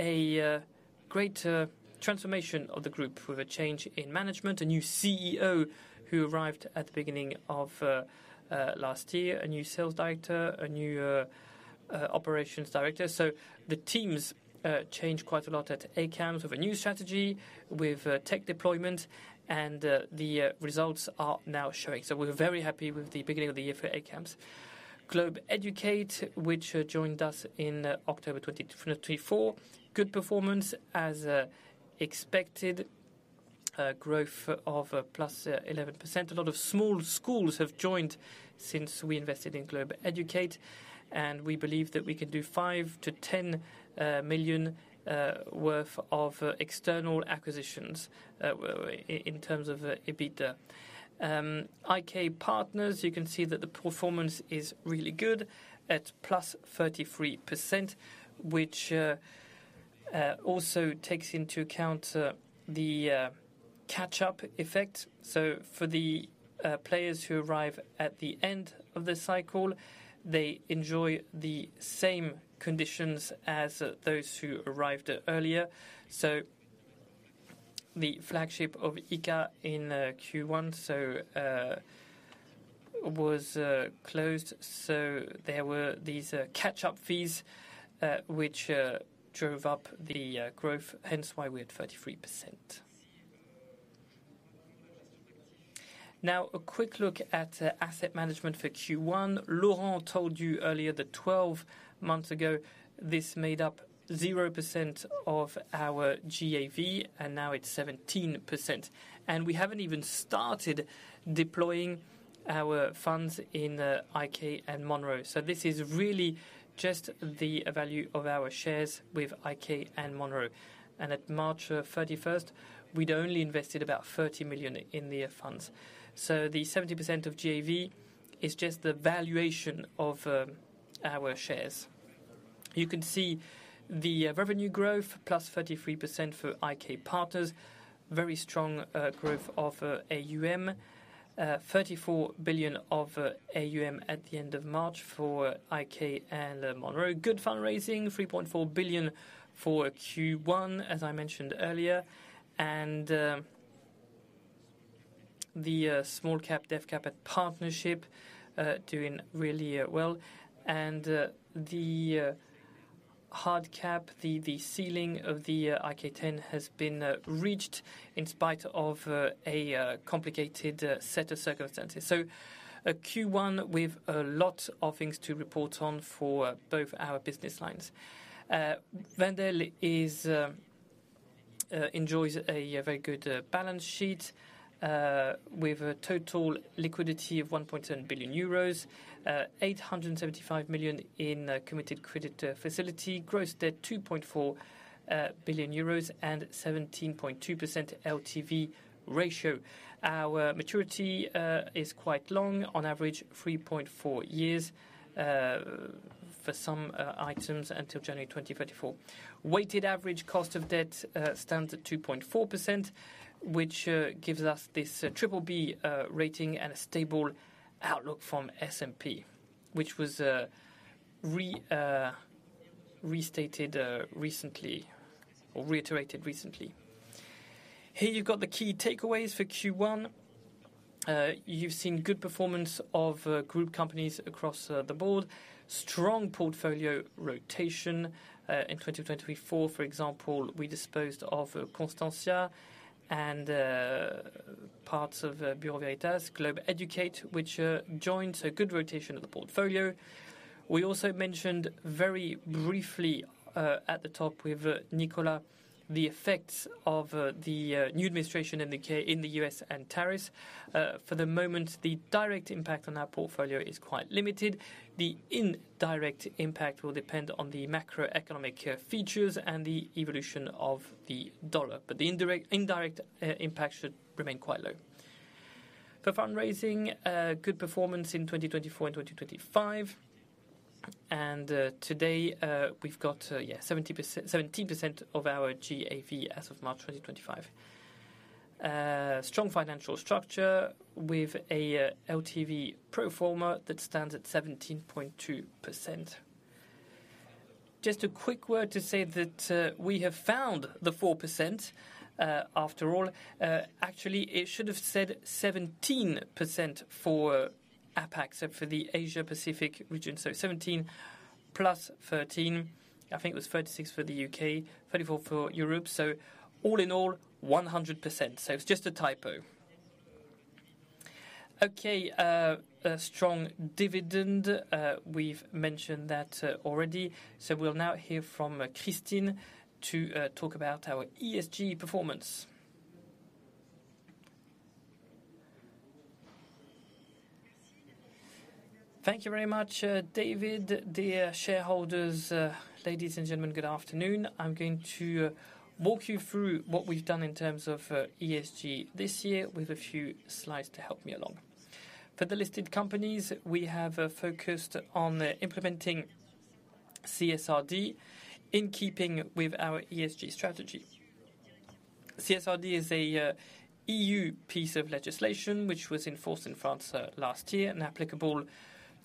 a greater transformation of the group, with a change in management, a new CEO who arrived at the beginning of last year, a new sales director, a new operations director. The teams changed quite a lot at ACAMS with a new strategy, with tech deployment, and the results are now showing. We're very happy with the beginning of the year for ACAMS. Globe Educate, which joined us in October 2024, good performance as expected, growth of +11%. A lot of small schools have joined since we invested in Globe Educate, and we believe that we can do $5-$10 million worth of external acquisitions in terms of EBITDA. iQVIELD partners, you can see that the performance is really good at +33%, which also takes into account the catch-up effect. For the players who arrive at the end of the cycle, they enjoy the same conditions as those who arrived earlier. The flagship of ICA in Q1 was closed. There were these catch-up fees which drove up the growth, hence why we had 33%. Now, a quick look at asset management for Q1. Laurent told you earlier that 12 months ago, this made up 0% of our GAV, and now it's 17%. We haven't even started deploying our funds in iQVIELD and Monroe. This is really just the value of our shares with iQVIELD and Monroe. At March 31st, we'd only invested about $30 million in the funds. The 70% of GAV is just the valuation of our shares. You can see the revenue growth, plus 33% for iQVIELD partners, very strong growth of AUM, $34 billion of AUM at the end of March for iQVIELD and Monroe. Good fundraising, $3.4 billion for Q1, as I mentioned earlier. The small cap, dev cap partnership doing really well. The hard cap, the ceiling of the iQVIELD has been reached in spite of a complicated set of circumstances. Q1 with a lot of things to report on for both our business lines. Vendel enjoys a very good balance sheet with a total liquidity of 1.7 billion euros, 875 million in committed credit facility, gross debt 2.4 billion euros, and 17.2% LTV ratio. Our maturity is quite long, on average 3.4 years for some items until January 2024. Weighted average cost of debt stands at 2.4%, which gives us this triple B rating and a stable outlook from S&P, which was restated recently or reiterated recently. Here you've got the key takeaways for Q1. You've seen good performance of group companies across the board, strong portfolio rotation. In 2024, for example, we disposed of Constancia and parts of Bureau Veritas, Globe Educate, which joined a good rotation of the portfolio. We also mentioned very briefly at the top with Nicola the effects of the new administration in the U.S. and tariffs. For the moment, the direct impact on our portfolio is quite limited. The indirect impact will depend on the macroeconomic features and the evolution of the dollar. But the indirect impact should remain quite low. For fundraising, good performance in 2024 and 2025. Today, we've got 17% of our GAV as of March 2025. Strong financial structure with a LTV proforma that stands at 17.2%. Just a quick word to say that we have found the 4% after all. Actually, it should have said 17% for APAC, so for the Asia-Pacific region. So 17% plus 13%. I think it was 36% for the U.K., 34% for Europe. So all in all, 100%. It's just a typo. Strong dividend. We've mentioned that already. We'll now hear from Christine to talk about our ESG performance. Thank you very much, David. Dear shareholders, ladies and gentlemen, good afternoon. I'm going to walk you through what we've done in terms of ESG this year with a few slides to help me along. For the listed companies, we have focused on implementing CSRD in keeping with our ESG strategy. CSRD is an EU piece of legislation which was enforced in France last year and applicable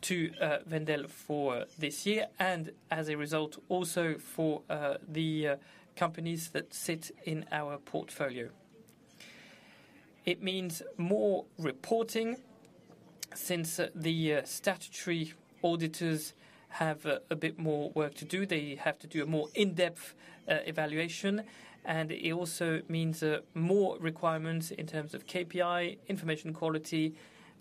to Wendel for this year and, as a result, also for the companies that sit in our portfolio. It means more reporting since the statutory auditors have a bit more work to do. They have to do a more in-depth evaluation. It also means more requirements in terms of KPI, information quality,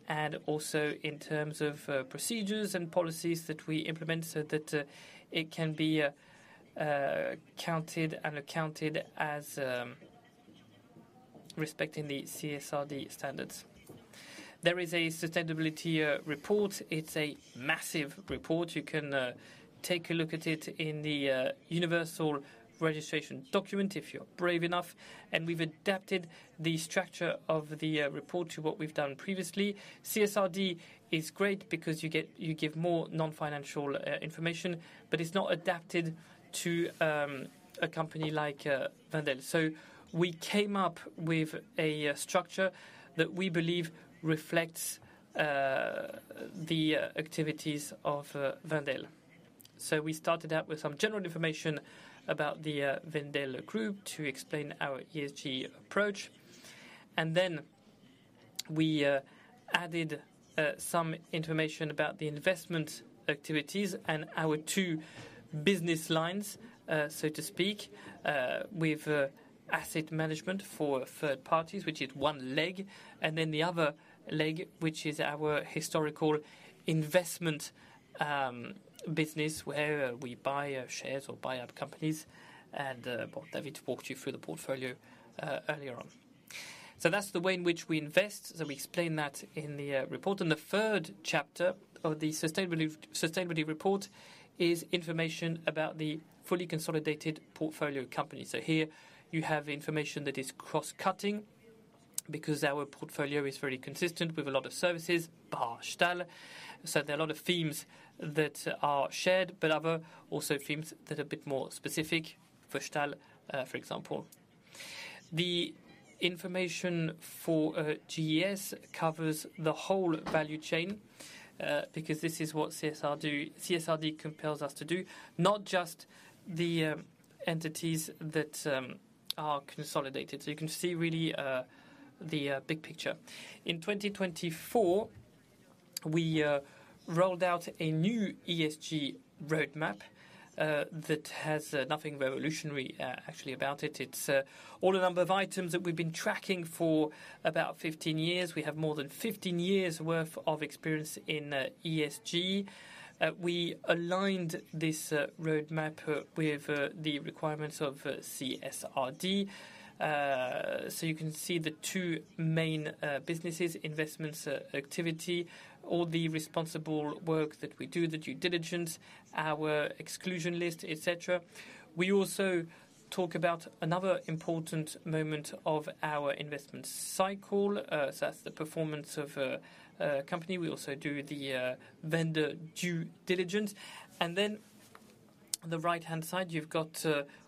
and also in terms of procedures and policies that we implement so that it can be counted and accounted as respecting the CSRD standards. There is a sustainability report. It's a massive report. You can take a look at it in the universal registration document if you're brave enough. We've adapted the structure of the report to what we've done previously. CSRD is great because you give more non-financial information, but it's not adapted to a company like Vendel. So we came up with a structure that we believe reflects the activities of Vendel. We started out with some general information about the Vendel group to explain our ESG approach. We added some information about the investment activities and our two business lines, so to speak, with asset management for third parties, which is one leg, and then the other leg, which is our historical investment business where we buy shares or buy up companies. David walked you through the portfolio earlier on. That's the way in which we invest. We explain that in the report. The third chapter of the sustainability report is information about the fully consolidated portfolio company. Here you have information that is cross-cutting because our portfolio is very consistent with a lot of services, bar Stal. There are a lot of themes that are shared, but other also themes that are a bit more specific for Stal, for example. The information for GES covers the whole value chain because this is what CSRD compels us to do, not just the entities that are consolidated. So you can see really the big picture. In 2024, we rolled out a new ESG roadmap that has nothing revolutionary actually about it. It's all a number of items that we've been tracking for about 15 years. We have more than 15 years' worth of experience in ESG. We aligned this roadmap with the requirements of CSRD. You can see the two main businesses, investments activity, all the responsible work that we do, the due diligence, our exclusion list, etc. We also talk about another important moment of our investment cycle, so that's the performance of a company. We also do the vendor due diligence. On the right-hand side, you've got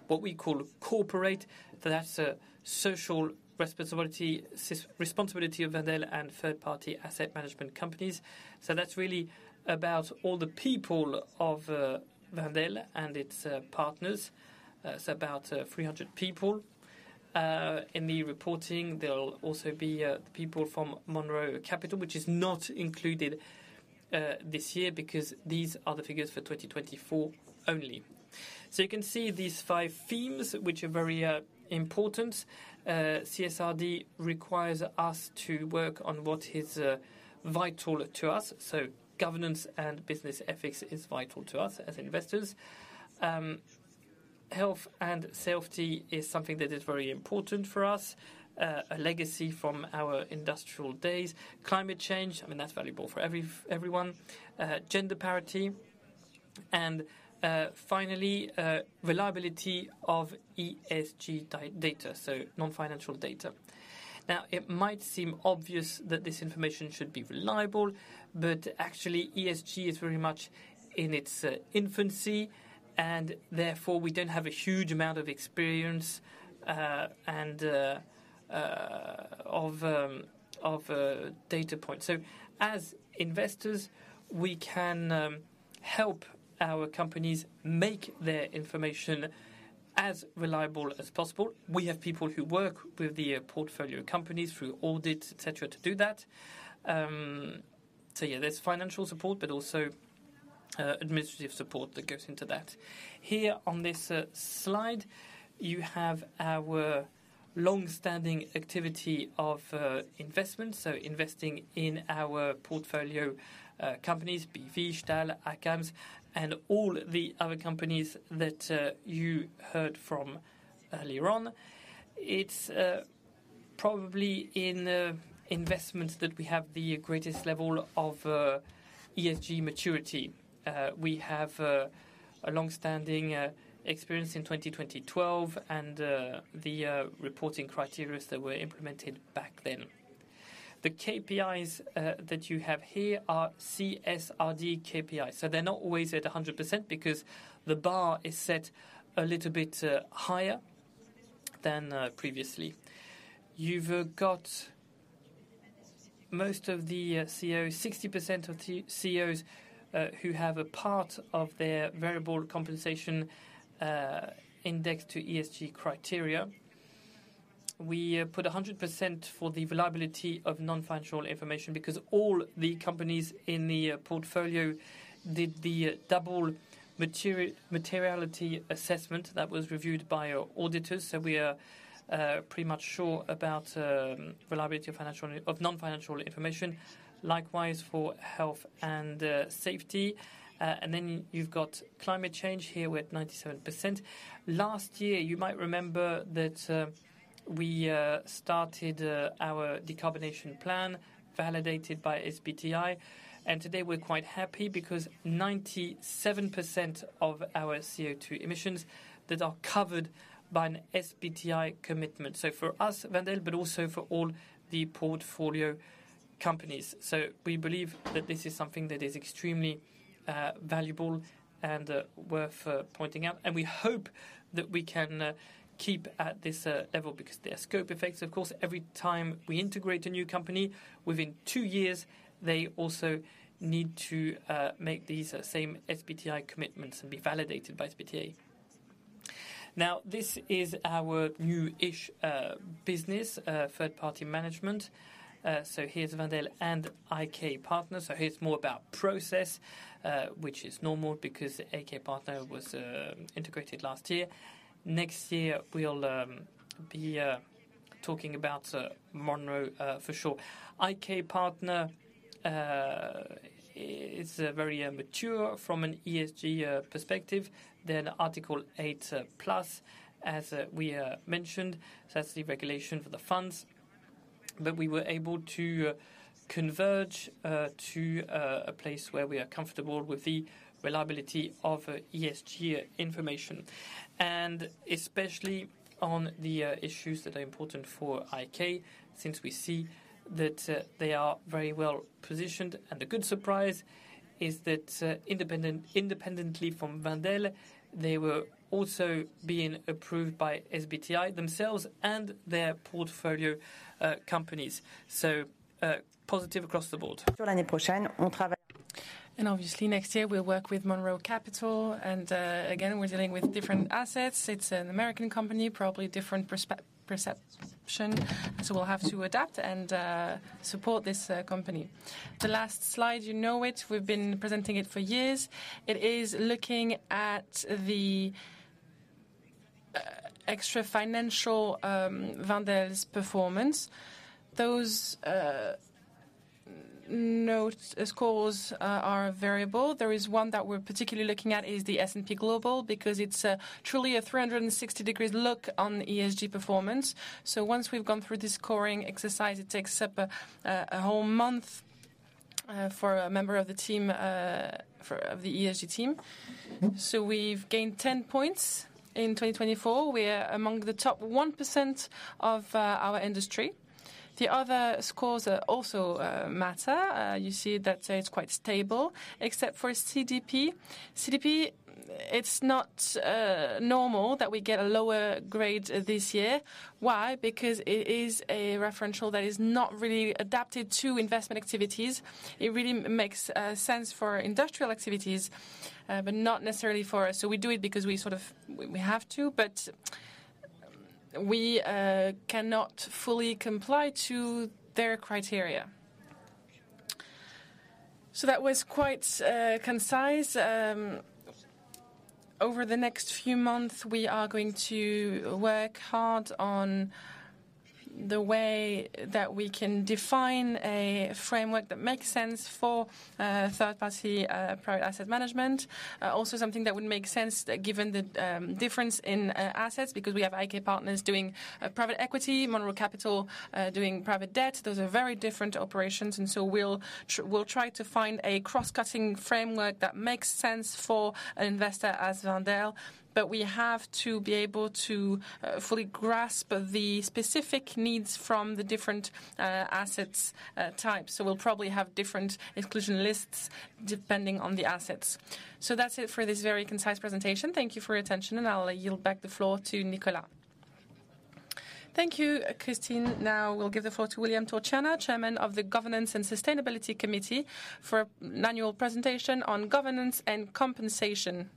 what we call corporate. That's social responsibility, responsibility of Wendel and third-party asset management companies. So that's really about all the people of Wendel and its partners. It's about 300 people. In the reporting, there will also be people from Monroe Capital, which is not included this year because these are the figures for 2024 only. So you can see these five themes, which are very important. CSRD requires us to work on what is vital to us. Governance and business ethics is vital to us as investors. Health and safety is something that is very important for us, a legacy from our industrial days. Climate change, I mean, that's valuable for everyone. Gender parity. Finally, reliability of ESG data, so non-financial data. Now, it might seem obvious that this information should be reliable, but actually, ESG is very much in its infancy, and therefore, we don't have a huge amount of experience and of data points. So as investors, we can help our companies make their information as reliable as possible. We have people who work with the portfolio companies through audits, etc., to do that. So yeah, there's financial support, but also administrative support that goes into that. Here on this slide, you have our long-standing activity of investment, so investing in our portfolio companies, BV, Stal, ACAMS, and all the other companies that you heard from earlier on. It's probably in investments that we have the greatest level of ESG maturity. We have a long-standing experience in 2012 and the reporting criteria that were implemented back then. The KPIs that you have here are CSRD KPIs. They're not always at 100% because the bar is set a little bit higher than previously. You've got most of the CEOs, 60% of CEOs who have a part of their variable compensation indexed to ESG criteria. We put 100% for the reliability of non-financial information because all the companies in the portfolio did the double materiality assessment that was reviewed by auditors. We are pretty much sure about reliability of non-financial information. Likewise for health and safety. Then you've got climate change here with 97%. Last year, you might remember that we started our decarbonization plan validated by SBTI. Today, we're quite happy because 97% of our CO2 emissions are covered by an SBTI commitment for us, Vendel, but also for all the portfolio companies. We believe that this is something that is extremely valuable and worth pointing out. We hope that we can keep at this level because there are scope effects. Of course, every time we integrate a new company, within two years, they also need to make these same SBTI commitments and be validated by SBTI. This is our new-ish business, third-party management. Here's Vendel and IK Partners. Here's more about process, which is normal because IK Partner was integrated last year. Next year, we'll be talking about Monroe for sure. IK Partner is very mature from an ESG perspective than Article 8+, as we mentioned, so that's the regulation for the funds. We were able to converge to a place where we are comfortable with the reliability of ESG information, and especially on the issues that are important for IK, since we see that they are very well positioned. The good surprise is that independently from Vendel, they were also being approved by SBTI themselves and their portfolio companies. So positive across the board. Obviously, next year, we'll work with Monroe Capital. Again, we're dealing with different assets. It's an American company, probably different perception. So we'll have to adapt and support this company. The last slide, you know it. We've been presenting it for years. It is looking at the extra financial Vendel's performance. Those scores are variable. There is one that we're particularly looking at is the S&P Global because it's truly a 360-degree look on ESG performance. Once we've gone through this scoring exercise, it takes up a whole month for a member of the team, of the ESG team. So we've gained 10 points in 2024. We're among the top 1% of our industry. The other scores also matter. You see that it's quite stable, except for CDP. CDP, it's not normal that we get a lower grade this year. Why? Because it is a referential that is not really adapted to investment activities. It really makes sense for industrial activities, but not necessarily for us. So we do it because we sort of have to, but we cannot fully comply to their criteria. So that was quite concise. Over the next few months, we are going to work hard on the way that we can define a framework that makes sense for third-party private asset management. Also, something that would make sense given the difference in assets because we have IK Partners doing private equity, Monroe Capital doing private debt. Those are very different operations. So we'll try to find a cross-cutting framework that makes sense for an investor as Wendel. But we have to be able to fully grasp the specific needs from the different asset types. We'll probably have different exclusion lists depending on the assets. That's it for this very concise presentation. Thank you for your attention. I'll yield back the floor to Nicolas. Thank you, Christine. Now, we'll give the floor to William Torchanna, Chairman of the Governance and Sustainability Committee, for an annual presentation on governance and compensation.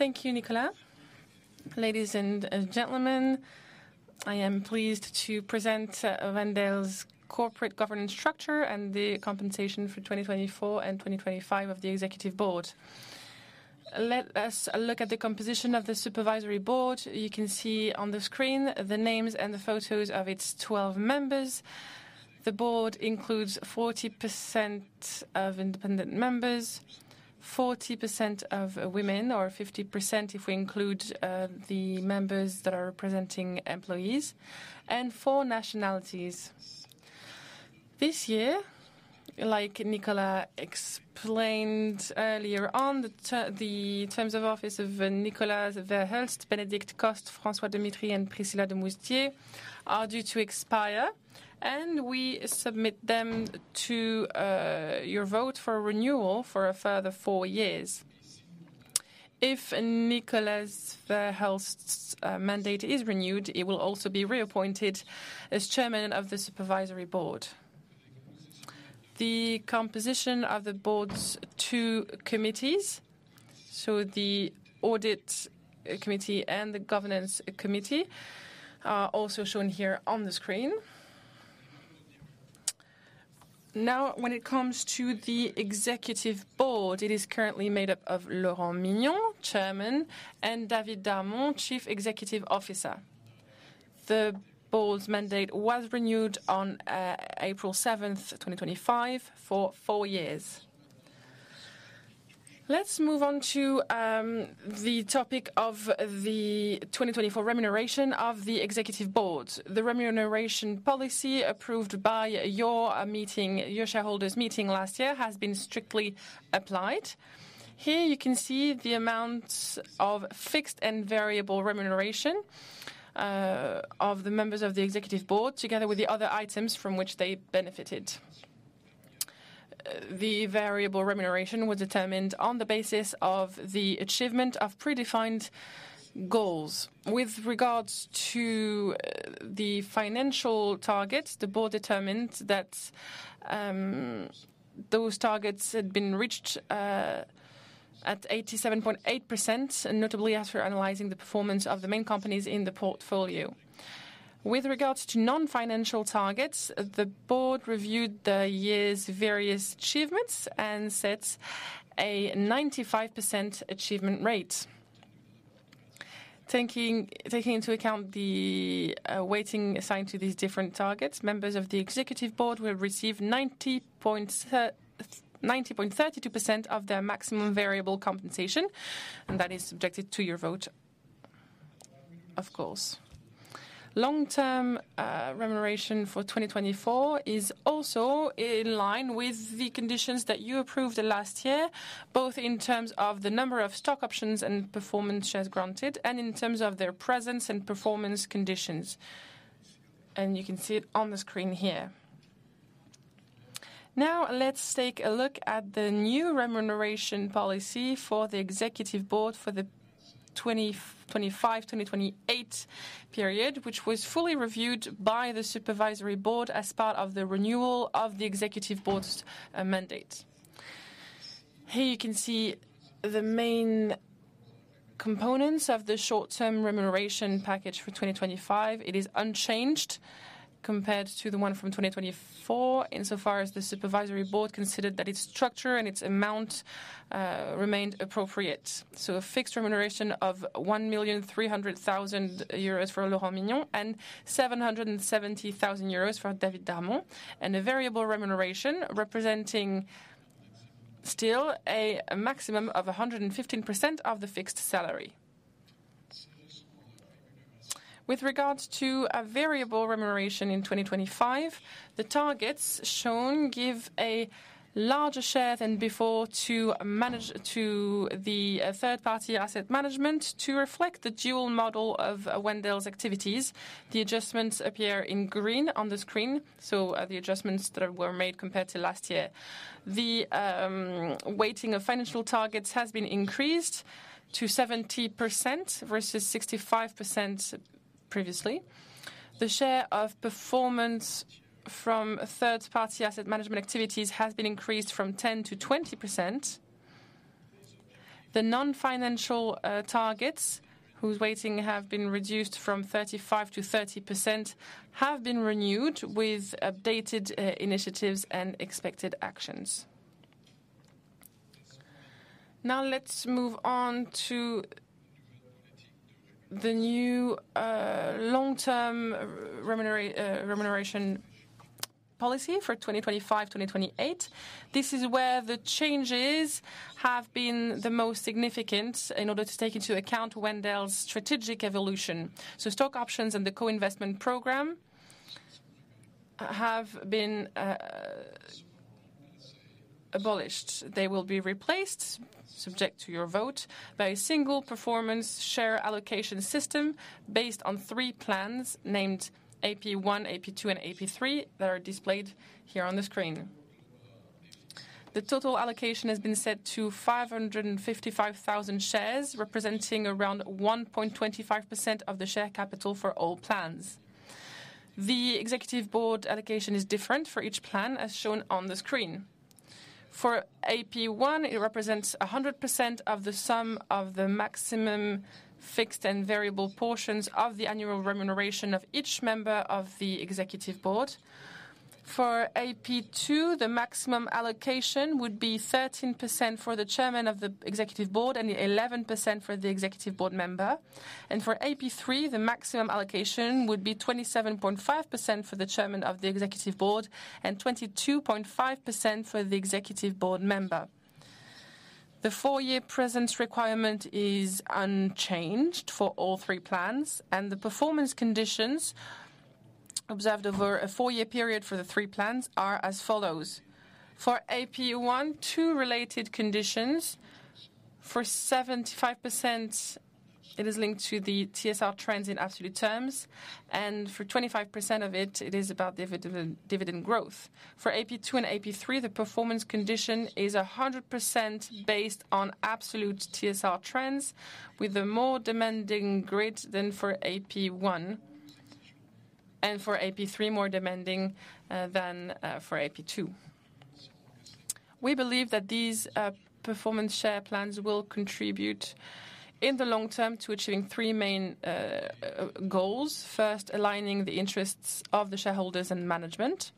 Thank you, Nicolas. Ladies and gentlemen, I am pleased to present Vendel's corporate governance structure and the compensation for 2024 and 2025 of the executive board. Let us look at the composition of the supervisory board. You can see on the screen the names and the photos of its 12 members. The board includes 40% of independent members, 40% of women, or 50% if we include the members that are representing employees, and four nationalities. This year, like Nicolas explained earlier on, the terms of office of Nicolas Verhaerst, Benedict Coste, François Demitry, and Priscilla de Moustier are due to expire, and we submit them to your vote for renewal for a further four years. If Nicolas Verhaerst's mandate is renewed, he will also be reappointed as Chairman of the Supervisory Board. The composition of the board's two committees, so the Audit Committee and the Governance Committee, are also shown here on the screen. Now, when it comes to the Executive Board, it is currently made up of Laurent Mignon, Chairman, and David Darmon, Chief Executive Officer. The board's mandate was renewed on April 7, 2025, for four years. Let's move on to the topic of the 2024 remuneration of the Executive Board. The remuneration policy approved by your shareholders' meeting last year has been strictly applied. Here, you can see the amount of fixed and variable remuneration of the members of the Executive Board, together with the other items from which they benefited. The variable remuneration was determined on the basis of the achievement of predefined goals. With regards to the financial targets, the Board determined that those targets had been reached at 87.8%, notably after analyzing the performance of the main companies in the portfolio. With regards to non-financial targets, the Board reviewed the year's various achievements and set a 95% achievement rate. Taking into account the weighting assigned to these different targets, members of the Executive Board will receive 90.32% of their maximum variable compensation, and that is subject to your vote, of course. Long-term remuneration for 2024 is also in line with the conditions that you approved last year, both in terms of the number of stock options and performance shares granted, and in terms of their presence and performance conditions. You can see it on the screen here. Let's take a look at the new remuneration policy for the executive board for the 2025-2028 period, which was fully reviewed by the supervisory board as part of the renewal of the executive board's mandate. Here you can see the main components of the short-term remuneration package for 2025. It is unchanged compared to the one from 2024, insofar as the supervisory board considered that its structure and its amount remained appropriate. So a fixed remuneration of 1.3 million euros for Laurent Mignon and 770,000 euros for David Darmon, and a variable remuneration representing still a maximum of 115% of the fixed salary. With regards to variable remuneration in 2025, the targets shown give a larger share than before to the third-party asset management to reflect the dual model of Vendel's activities. The adjustments appear in green on the screen, so the adjustments that were made compared to last year. The weighting of financial targets has been increased to 70% versus 65% previously. The share of performance from third-party asset management activities has been increased from 10%-20%. The non-financial targets, whose weighting has been reduced from 35%-30%, have been renewed with updated initiatives and expected actions. Now, let's move on to the new long-term remuneration policy for 2025-2028. This is where the changes have been the most significant in order to take into account Vendel's strategic evolution. Stock options and the co-investment program have been abolished. They will be replaced, subject to your vote, by a single performance share allocation system based on three plans named AP1, AP2, and AP3 that are displayed here on the screen. The total allocation has been set to 555,000 shares, representing around 1.25% of the share capital for all plans. The executive board allocation is different for each plan, as shown on the screen. For AP1, it represents 100% of the sum of the maximum fixed and variable portions of the annual remuneration of each member of the executive board. For AP2, the maximum allocation would be 13% for the Chairman of the Executive Board and 11% for the Executive Board member. For AP3, the maximum allocation would be 27.5% for the Chairman of the Executive Board and 22.5% for the Executive Board member. The four-year presence requirement is unchanged for all three plans, and the performance conditions observed over a four-year period for the three plans are as follows. For AP1, two related conditions. For 75%, it is linked to the TSR trends in absolute terms, and for 25% of it, it is about dividend growth. For AP2 and AP3, the performance condition is 100% based on absolute TSR trends, with a more demanding grid than for AP1, and for AP3, more demanding than for AP2. We believe that these performance share plans will contribute in the long term to achieving three main goals: first, aligning the interests of the shareholders and management,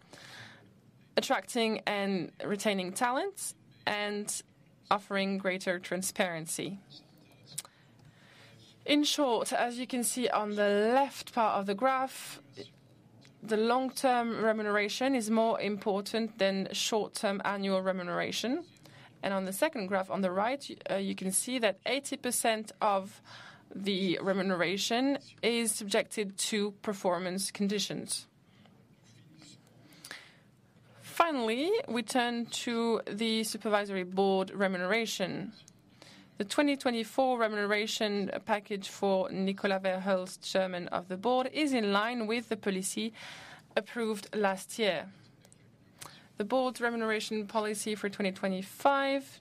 attracting and retaining talent, and offering greater transparency. In short, as you can see on the left part of the graph, the long-term remuneration is more important than short-term annual remuneration. On the second graph on the right, you can see that 80% of the remuneration is subjected to performance conditions. Finally, we turn to the supervisory board remuneration. The 2024 remuneration package for Nicolas Verhaerst, Chairman of the Board, is in line with the policy approved last year. The board's remuneration policy for 2025,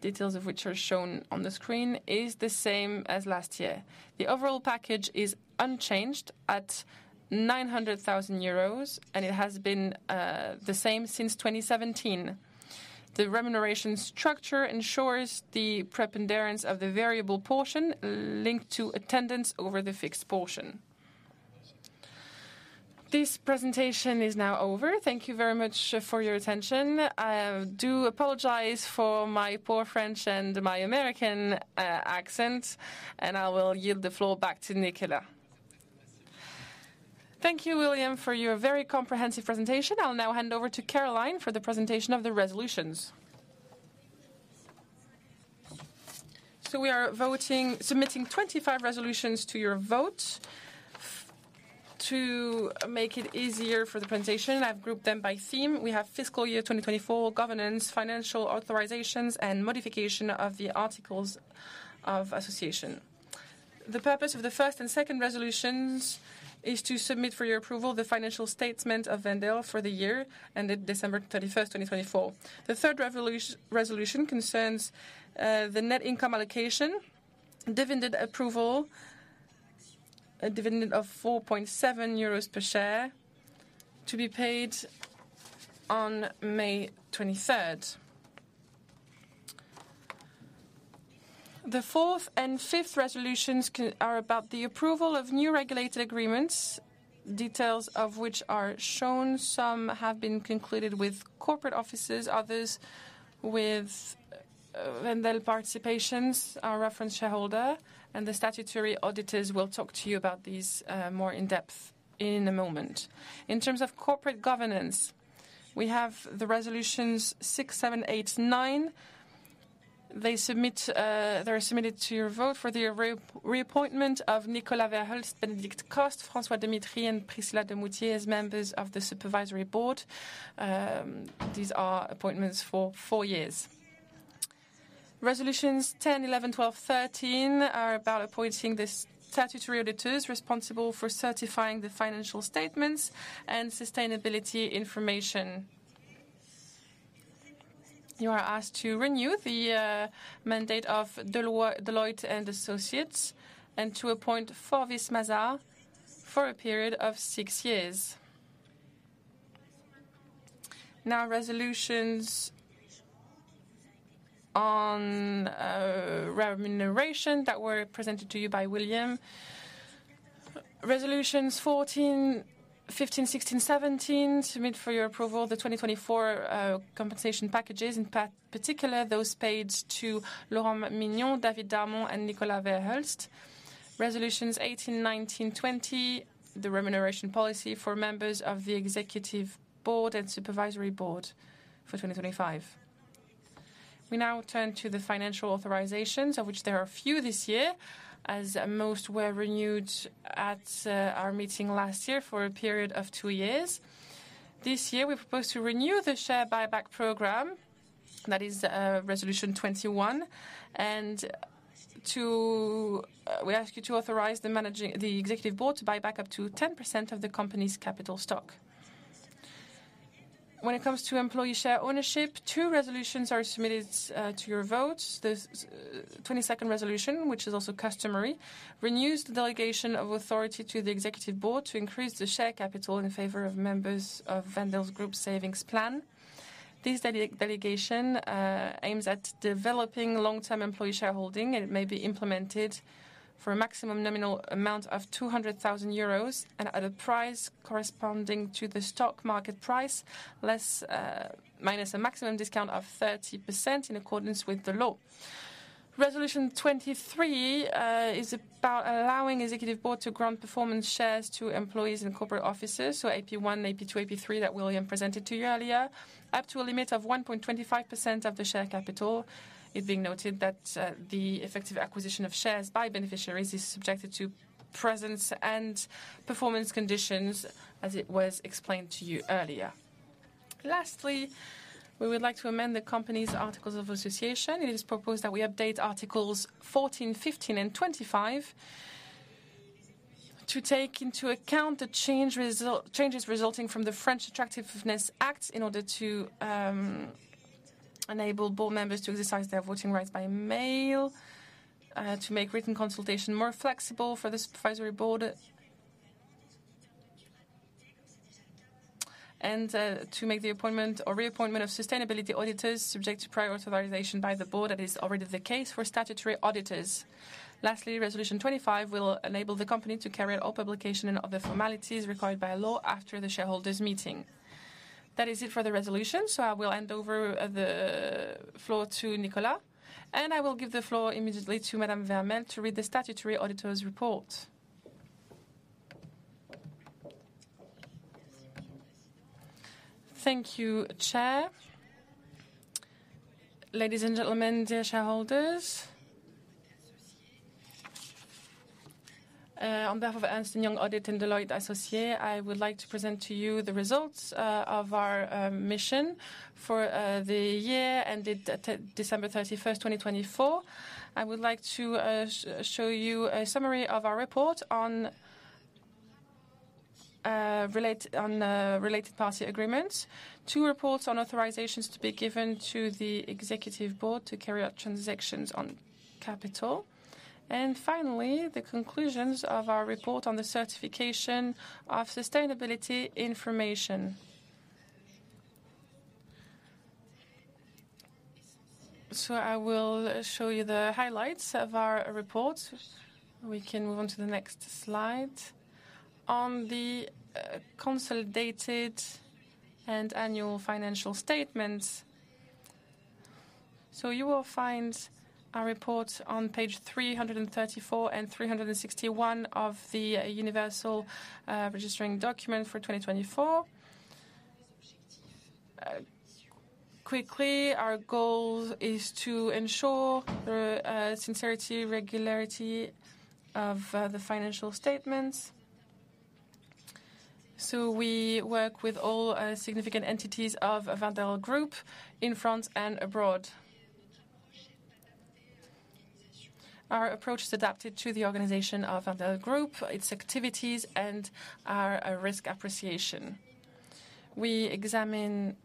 details of which are shown on the screen, is the same as last year. The overall package is unchanged at 900,000 euros, and it has been the same since 2017. The remuneration structure ensures the preponderance of the variable portion linked to attendance over the fixed portion. This presentation is now over. Thank you very much for your attention. I do apologize for my poor French and my American accent, and I will yield the floor back to Nicolas. Thank you, William, for your very comprehensive presentation. I'll now hand over to Caroline for the presentation of the resolutions. We are submitting 25 resolutions to your vote. To make it easier for the presentation, I've grouped them by theme. We have fiscal year 2024, governance, financial authorizations, and modification of the articles of association. The purpose of the first and second resolutions is to submit for your approval the financial statement of Vendel for the year ended December 31, 2024. The third resolution concerns the net income allocation, dividend approval, a dividend of 4.70 euros per share to be paid on May 23. The fourth and fifth resolutions are about the approval of new regulated agreements, details of which are shown. Some have been concluded with corporate offices, others with Vendel participations, our reference shareholder, and the statutory auditors will talk to you about these more in depth in a moment. In terms of corporate governance, we have the resolutions 6, 7, 8, 9. They are submitted to your vote for the reappointment of Nicolas Verhaerst, Benedict Coste, François Demitry, and Priscilla de Moustier as members of the supervisory board. These are appointments for four years. Resolutions 10, 11, 12, 13 are about appointing the statutory auditors responsible for certifying the financial statements and sustainability information. You are asked to renew the mandate of Deloitte and Associates and to appoint Fauvice Mazard for a period of six years. Now, resolutions on remuneration that were presented to you by William. Resolutions 14, 15, 16, 17, submit for your approval the 2024 compensation packages, in particular those paid to Laurent Mignon, David Darmon, and Nicolas Verhaerst. Resolutions 18, 19, 20. The remuneration policy for members of the executive board and supervisory board for 2025. We now turn to the financial authorizations, of which there are few this year, as most were renewed at our meeting last year for a period of two years. This year, we propose to renew the share buyback program, that is resolution 21, and we ask you to authorize the executive board to buy back up to 10% of the company's capital stock. When it comes to employee share ownership, two resolutions are submitted to your vote. The 22nd resolution, which is also customary, renews the delegation of authority to the executive board to increase the share capital in favor of members of Vendel's group savings plan. This delegation aims at developing long-term employee shareholding, and it may be implemented for a maximum nominal amount of 200,000 euros and at a price corresponding to the stock market price, minus a maximum discount of 30% in accordance with the law. Resolution 23 is about allowing the executive board to grant performance shares to employees and corporate officers, so AP1, AP2, AP3 that William presented to you earlier, up to a limit of 1.25% of the share capital. It being noted that the effective acquisition of shares by beneficiaries is subjected to presence and performance conditions, as it was explained to you earlier. Lastly, we would like to amend the company's articles of association. It is proposed that we update articles 14, 15, and 25 to take into account the changes resulting from the French Attractiveness Act in order to enable board members to exercise their voting rights by mail, to make written consultation more flexible for the supervisory board, and to make the appointment or reappointment of sustainability auditors subject to prior authorization by the board, as is already the case for statutory auditors. Lastly, Resolution 25 will enable the company to carry out all publication and other formalities required by law after the shareholders' meeting. That is it for the resolutions, so I will hand over the floor to Nicolas, and I will give the floor immediately to Madame Vermelde to read the statutory auditor's report. Thank you, Chair. Ladies and gentlemen, dear shareholders. On behalf of Ernst & Young Audit and Deloitte Associés, I would like to present to you the results of our mission for the year ended December 31, 2024. I would like to show you a summary of our report on related party agreements, two reports on authorizations to be given to the Executive Board to carry out transactions on capital, and finally, the conclusions of our report on the certification of sustainability information. I will show you the highlights of our report. We can move on to the next slide. On the consolidated and annual financial statements, you will find our reports on page 334 and 361 of the universal registration document for 2024. Quickly, our goal is to ensure the sincerity and regularity of the financial statements. We work with all significant entities of Wendel Group in France and abroad. Our approach is adapted to the organization of Wendel Group, its activities, and our risk appreciation. We examine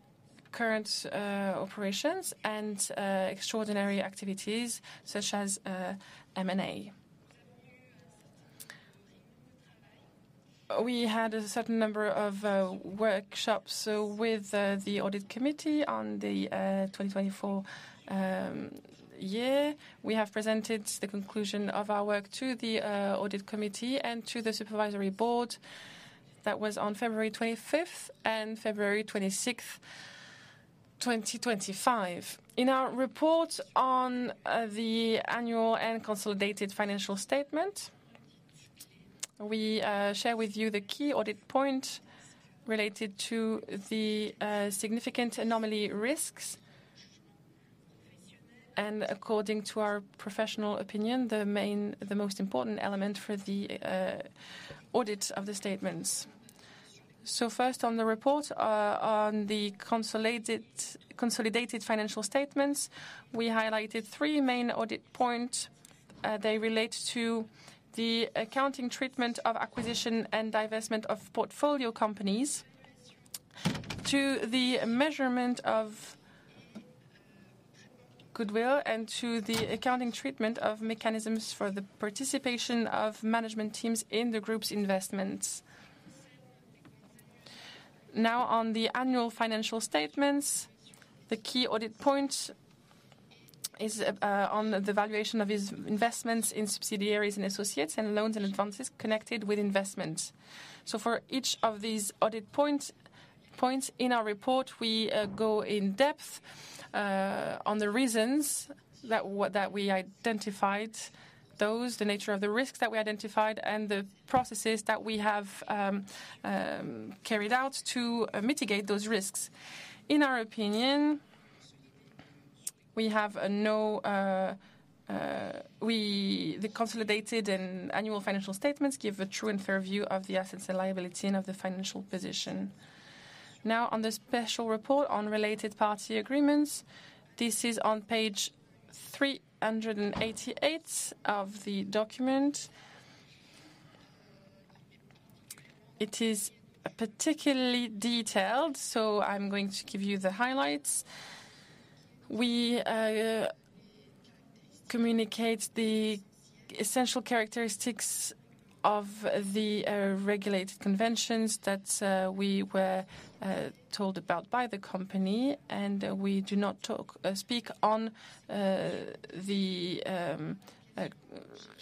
current operations and extraordinary activities such as M&A. We had a certain number of workshops with the audit committee on the 2024 year. We have presented the conclusion of our work to the audit committee and to the supervisory board. That was on February 25 and February 26, 2025. In our report on the annual and consolidated financial statements, we share with you the key audit points related to the significant anomaly risks, and according to our professional opinion, the most important elements for the audit of the statements. First, on the report on the consolidated financial statements, we highlighted three main audit points. They relate to the accounting treatment of acquisition and divestment of portfolio companies, to the measurement of goodwill, and to the accounting treatment of mechanisms for the participation of management teams in the group's investments. On the annual financial statements, the key audit point is on the valuation of investments in subsidiaries and associates and loans and advances connected with investments. For each of these audit points in our report, we go in depth on the reasons that we identified, the nature of the risks that we identified, and the processes that we have carried out to mitigate those risks. In our opinion, our consolidated annual financial statements give a true and fair view of the assets and liability and of the financial position. Now, on the special report on related party agreements, this is on page 388 of the document. It is particularly detailed, so I'm going to give you the highlights. We communicate the essential characteristics of the regulated conventions that we were told about by the company, and we do not speak on the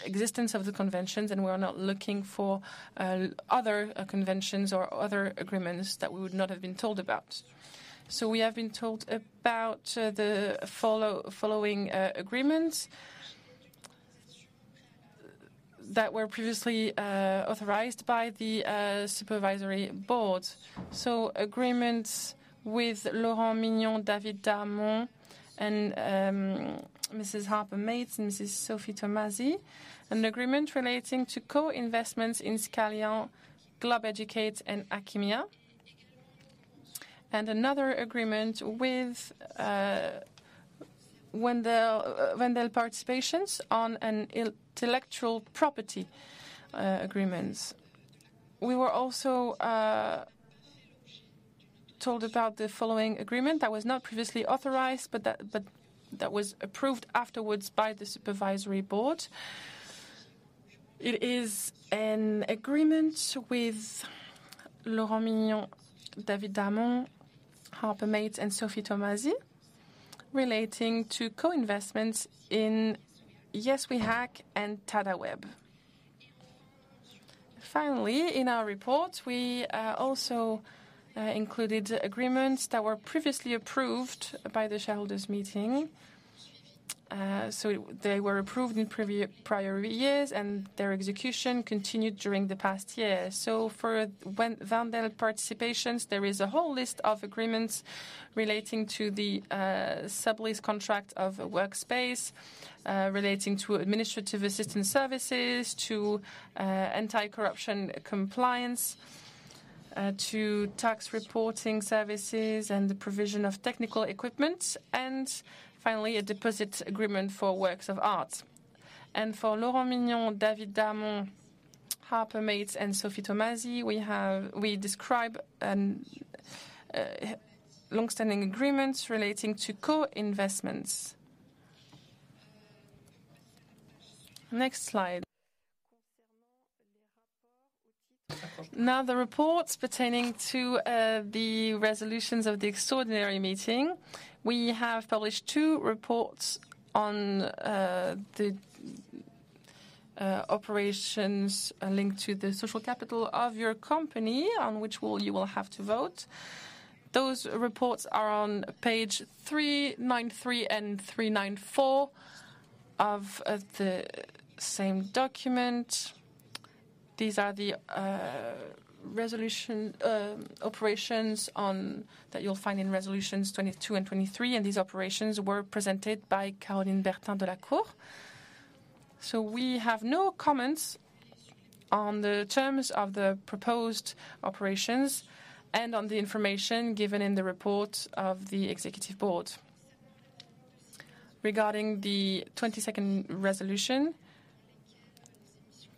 existence of the conventions, and we are not looking for other conventions or other agreements that we would not have been told about. We have been told about the following agreements that were previously authorized by the supervisory board: agreements with Laurent Mignon, David Darmon, Mrs. Harper-Mates, and Mrs. Sophie Tomazi; an agreement relating to co-investments in Scalion, Globeducate, and Akimia; and another agreement with Vendel participations on intellectual property agreements. We were also told about the following agreement that was not previously authorized, but that was approved afterwards by the supervisory board. It is an agreement with Laurent Mignon, David Darmon, Harper-Mates, and Sophie Tomazi relating to co-investments in Yes We Hack and Tadaweb. Finally, in our report, we also included agreements that were previously approved by the shareholders' meeting. They were approved in prior years, and their execution continued during the past year. For Vendel participations, there is a whole list of agreements relating to the sublease contract of a workspace, relating to administrative assistance services, to anti-corruption compliance, to tax reporting services, and the provision of technical equipment, and finally, a deposit agreement for works of art. For Laurent Mignon, David Darmon, Harper-Mates, and Sophie Tomazi, we describe long-standing agreements relating to co-investments. Next slide. Now, the reports pertaining to the resolutions of the extraordinary meeting. We have published two reports on the operations linked to the social capital of your company, on which you will have to vote. Those reports are on page 393 and 394 of the same document. These are the operations that you'll find in resolutions 22 and 23, and these operations were presented by Caroline Bertin de la Cour. We have no comments on the terms of the proposed operations and on the information given in the report of the executive board. Regarding the 22nd resolution,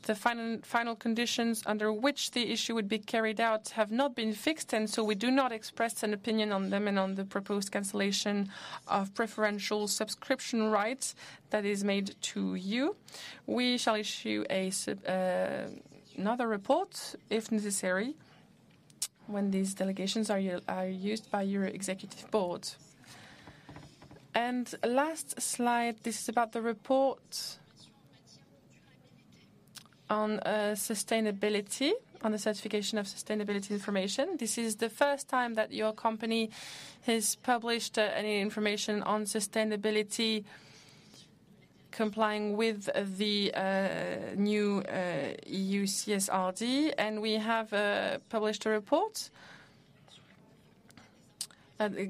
the final conditions under which the issue would be carried out have not been fixed, and we do not express an opinion on them and on the proposed cancellation of preferential subscription rights that is made to you. We shall issue another report if necessary when these delegations are used by your executive board. Last slide, this is about the report on sustainability, on the certification of sustainability information. This is the first time that your company has published any information on sustainability complying with the new EU CSRD, and we have published a report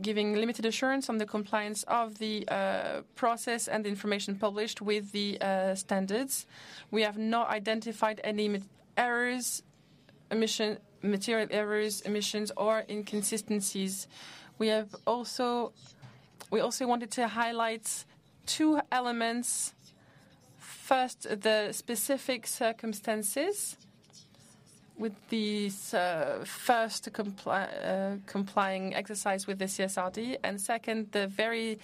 giving limited assurance on the compliance of the process and the information published with the standards. We have not identified any material errors, omissions, or inconsistencies. We also wanted to highlight two elements. First, the specific circumstances with the first complying exercise with the CSRD, and second, the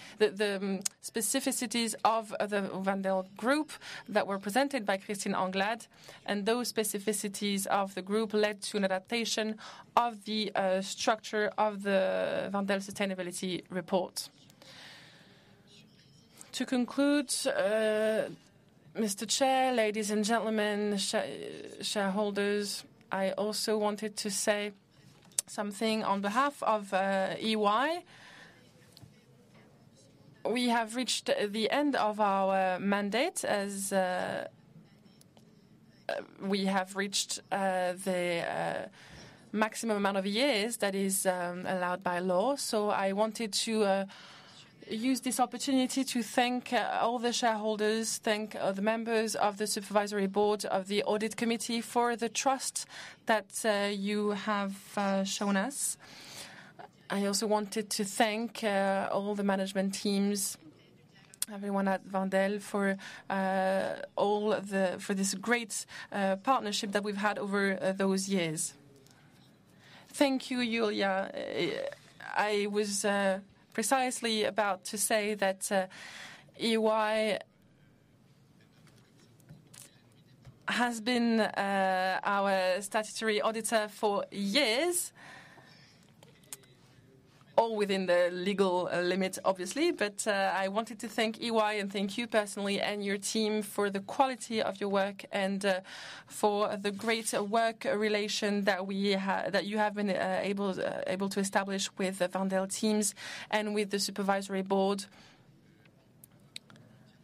specificities of the Vendel Group that were presented by Christine Anglade, and those specificities of the group led to an adaptation of the structure of the Vendel Sustainability Report. To conclude, Mr. Chair, ladies and gentlemen, shareholders, I also wanted to say something on behalf of EY. We have reached the end of our mandate as we have reached the maximum amount of years that is allowed by law. I wanted to use this opportunity to thank all the shareholders, thank the members of the supervisory board, of the audit committee for the trust that you have shown us. I also wanted to thank all the management teams, everyone at Vendel, for this great partnership that we've had over those years. Thank you, Julia. I was precisely about to say that EY has been our statutory auditor for years, all within the legal limits, obviously, but I wanted to thank EY and thank you personally and your team for the quality of your work and for the great work relation that you have been able to establish with the Vendel teams and with the supervisory board,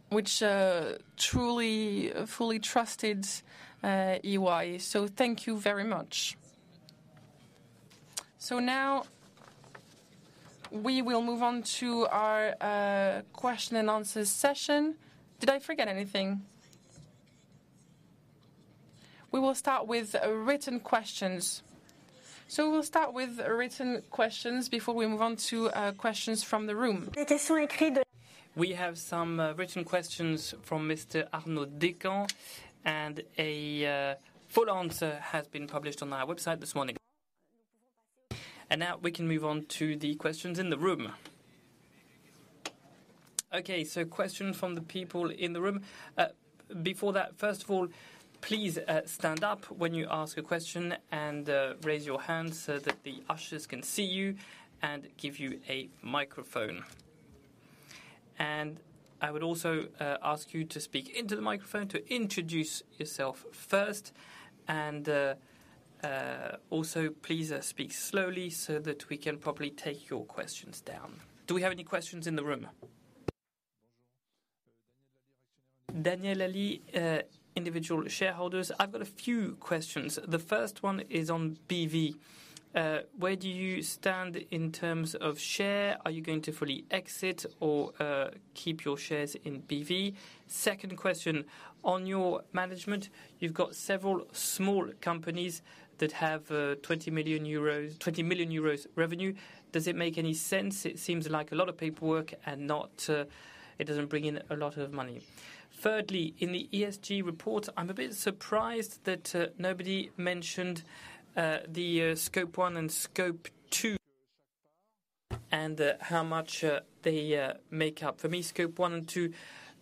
which truly fully trusted EY. Thank you very much. Now we will move on to our question and answer session. Did I forget anything? We will start with written questions before we move on to questions from the room. We have some written questions from Mr. Arnaud Decan, and a full answer has been published on our website this morning. Now we can move on to the questions in the room. Questions from the people in the room. Before that, first of all, please stand up when you ask a question and raise your hand so that the ushers can see you and give you a microphone. I would also ask you to speak into the microphone to introduce yourself first, and also please speak slowly so that we can properly take your questions down. Do we have any questions in the room? Daniel Laly, individual shareholders. I've got a few questions. The first one is on BV. Where do you stand in terms of share? Are you going to fully exit or keep your shares in BV? Second question, on your management, you've got several small companies that have 20 million euros revenue. Does it make any sense? It seems like a lot of paperwork and it doesn't bring in a lot of money. Thirdly, in the ESG report, I'm a bit surprised that nobody mentioned the scope one and scope two and how much they make up. For me, scope one and two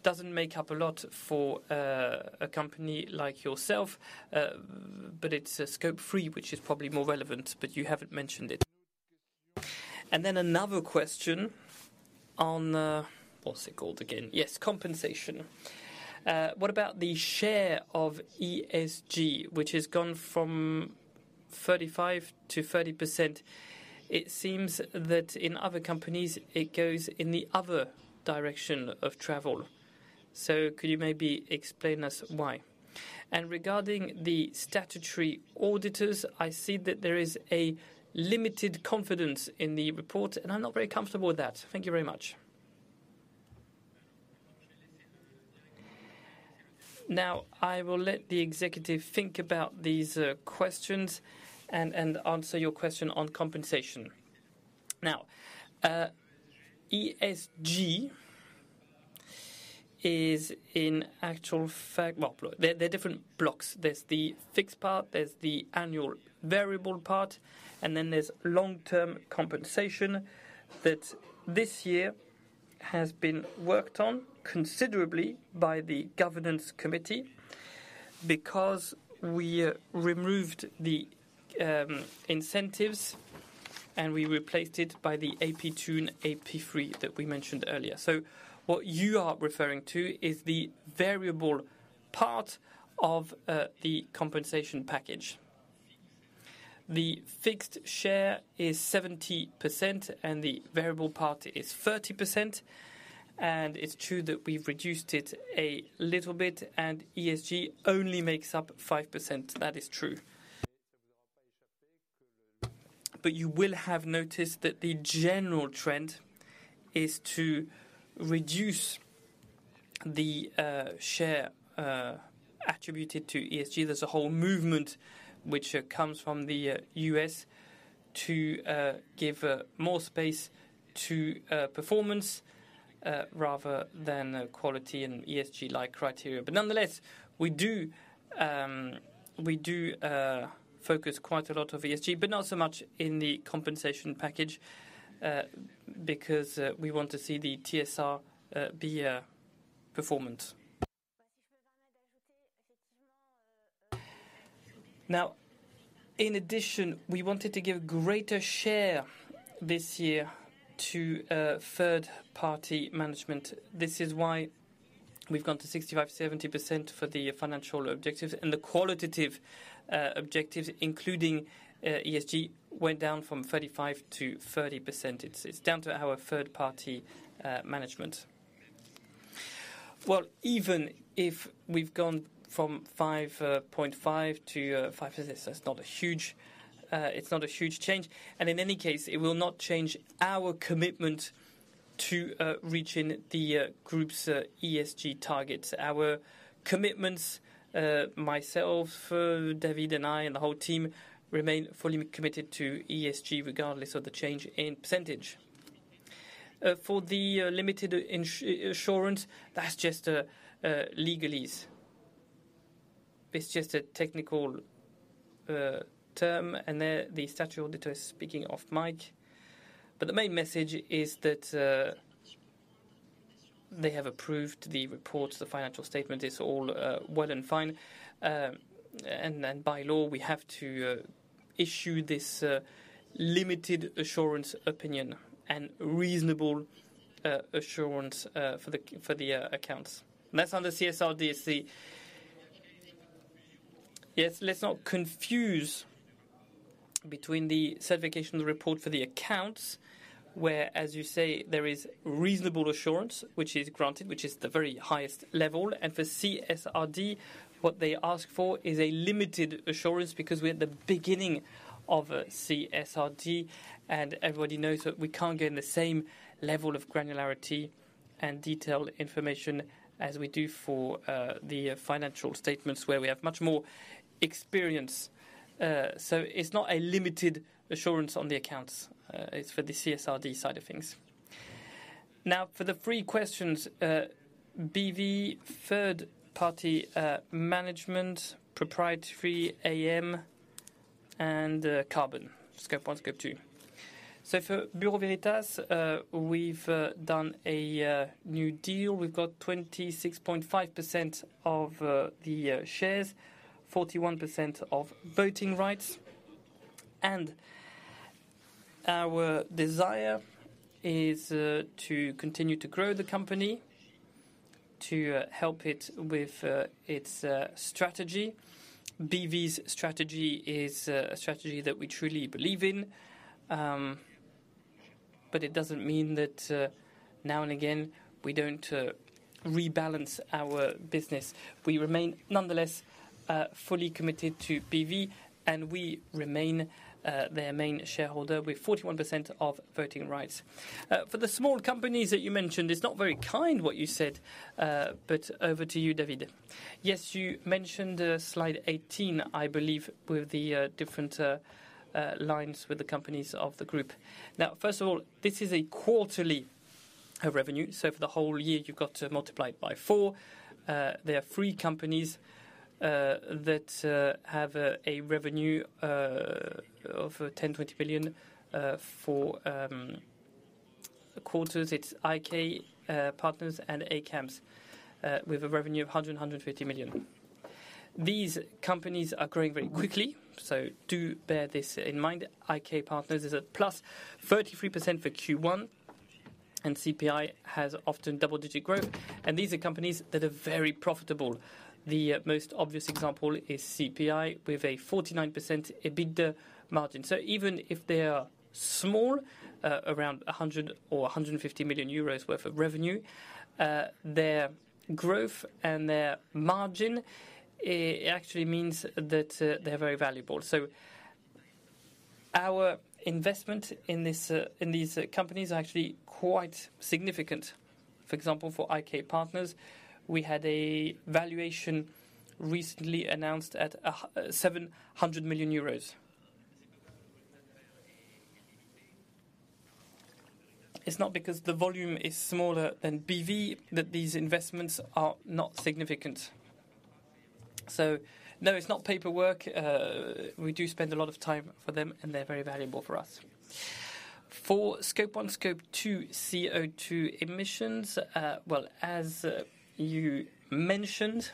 doesn't make up a lot for a company like yourself, but it's scope three, which is probably more relevant, but you haven't mentioned it. Another question on compensation. What about the share of ESG, which has gone from 35%-30%? It seems that in other companies, it goes in the other direction of travel. So could you maybe explain us why? Regarding the statutory auditors, I see that there is limited confidence in the report, and I'm not very comfortable with that. Thank you very much. Now, I will let the executive think about these questions and answer your question on compensation. ESG is in actual fact, there are different blocks. There's the fixed part, there's the annual variable part, and then there's long-term compensation that this year has been worked on considerably by the governance committee because we removed the incentives and we replaced it by the AP2 and AP3 that we mentioned earlier. What you are referring to is the variable part of the compensation package. The fixed share is 70% and the variable part is 30%, and it's true that we've reduced it a little bit, and ESG only makes up 5%. That is true. You will have noticed that the general trend is to reduce the share attributed to ESG. There's a whole movement which comes from the U.S. to give more space to performance rather than quality and ESG-like criteria. Nonetheless, we do focus quite a lot on ESG, but not so much in the compensation package because we want to see the TSR be performant. In addition, we wanted to give a greater share this year to third-party management. This is why we've gone to 65%-70% for the financial objectives, and the qualitative objectives, including ESG, went down from 35%-30%. It's down to our third-party management. Even if we've gone from 5.5%-5%, that's not a huge change. In any case, it will not change our commitment to reaching the group's ESG targets. Our commitments, myself, David, and I, and the whole team remain fully committed to ESG regardless of the change in percentage. For the limited assurance, that's just a legalese. It's just a technical term, and the statutory auditor is speaking off mic. But the main message is that they have approved the reports, the financial statement is all well and fine, and by law, we have to issue this limited assurance opinion and reasonable assurance for the accounts. That's on the CSRDC. Yes, let's not confuse between the certification report for the accounts where, as you say, there is reasonable assurance, which is granted, which is the very highest level. For CSRD, what they ask for is a limited assurance because we're at the beginning of CSRD, and everybody knows that we can't get the same level of granularity and detailed information as we do for the financial statements where we have much more experience. So it's not a limited assurance on the accounts. It's for the CSRD side of things. Now, for the three questions, BV, third-party management, proprietary AM, and carbon, scope one, scope two. So for Bureau Veritas, we've done a new deal. We've got 26.5% of the shares, 41% of voting rights, and our desire is to continue to grow the company, to help it with its strategy. BV's strategy is a strategy that we truly believe in, but it doesn't mean that now and again we don't rebalance our business. We remain nonetheless fully committed to BV, and we remain their main shareholder with 41% of voting rights. For the small companies that you mentioned, it's not very kind what you said, but over to you, David. Yes, you mentioned slide 18, I believe, with the different lines with the companies of the group. Now, first of all, this is a quarterly revenue. So for the whole year, you've got to multiply it by four. There are three companies that have a revenue of $10-20 million for quarters. It's IK Partners and ACAMS with a revenue of $100-150 million. These companies are growing very quickly, so do bear this in mind. IK Partners is at plus 33% for Q1, and CPI has often double-digit growth, and these are companies that are very profitable. The most obvious example is CPI with a 49% EBITDA margin. Even if they are small, around 100 or 150 million euros worth of revenue, their growth and their margin actually means that they're very valuable. Our investment in these companies is actually quite significant. For example, for IK Partners, we had a valuation recently announced at EUR 700 million. It's not because the volume is smaller than BV that these investments are not significant. No, it's not paperwork. We do spend a lot of time for them, and they're very valuable for us. For scope one, scope two, CO2 emissions, well, as you mentioned,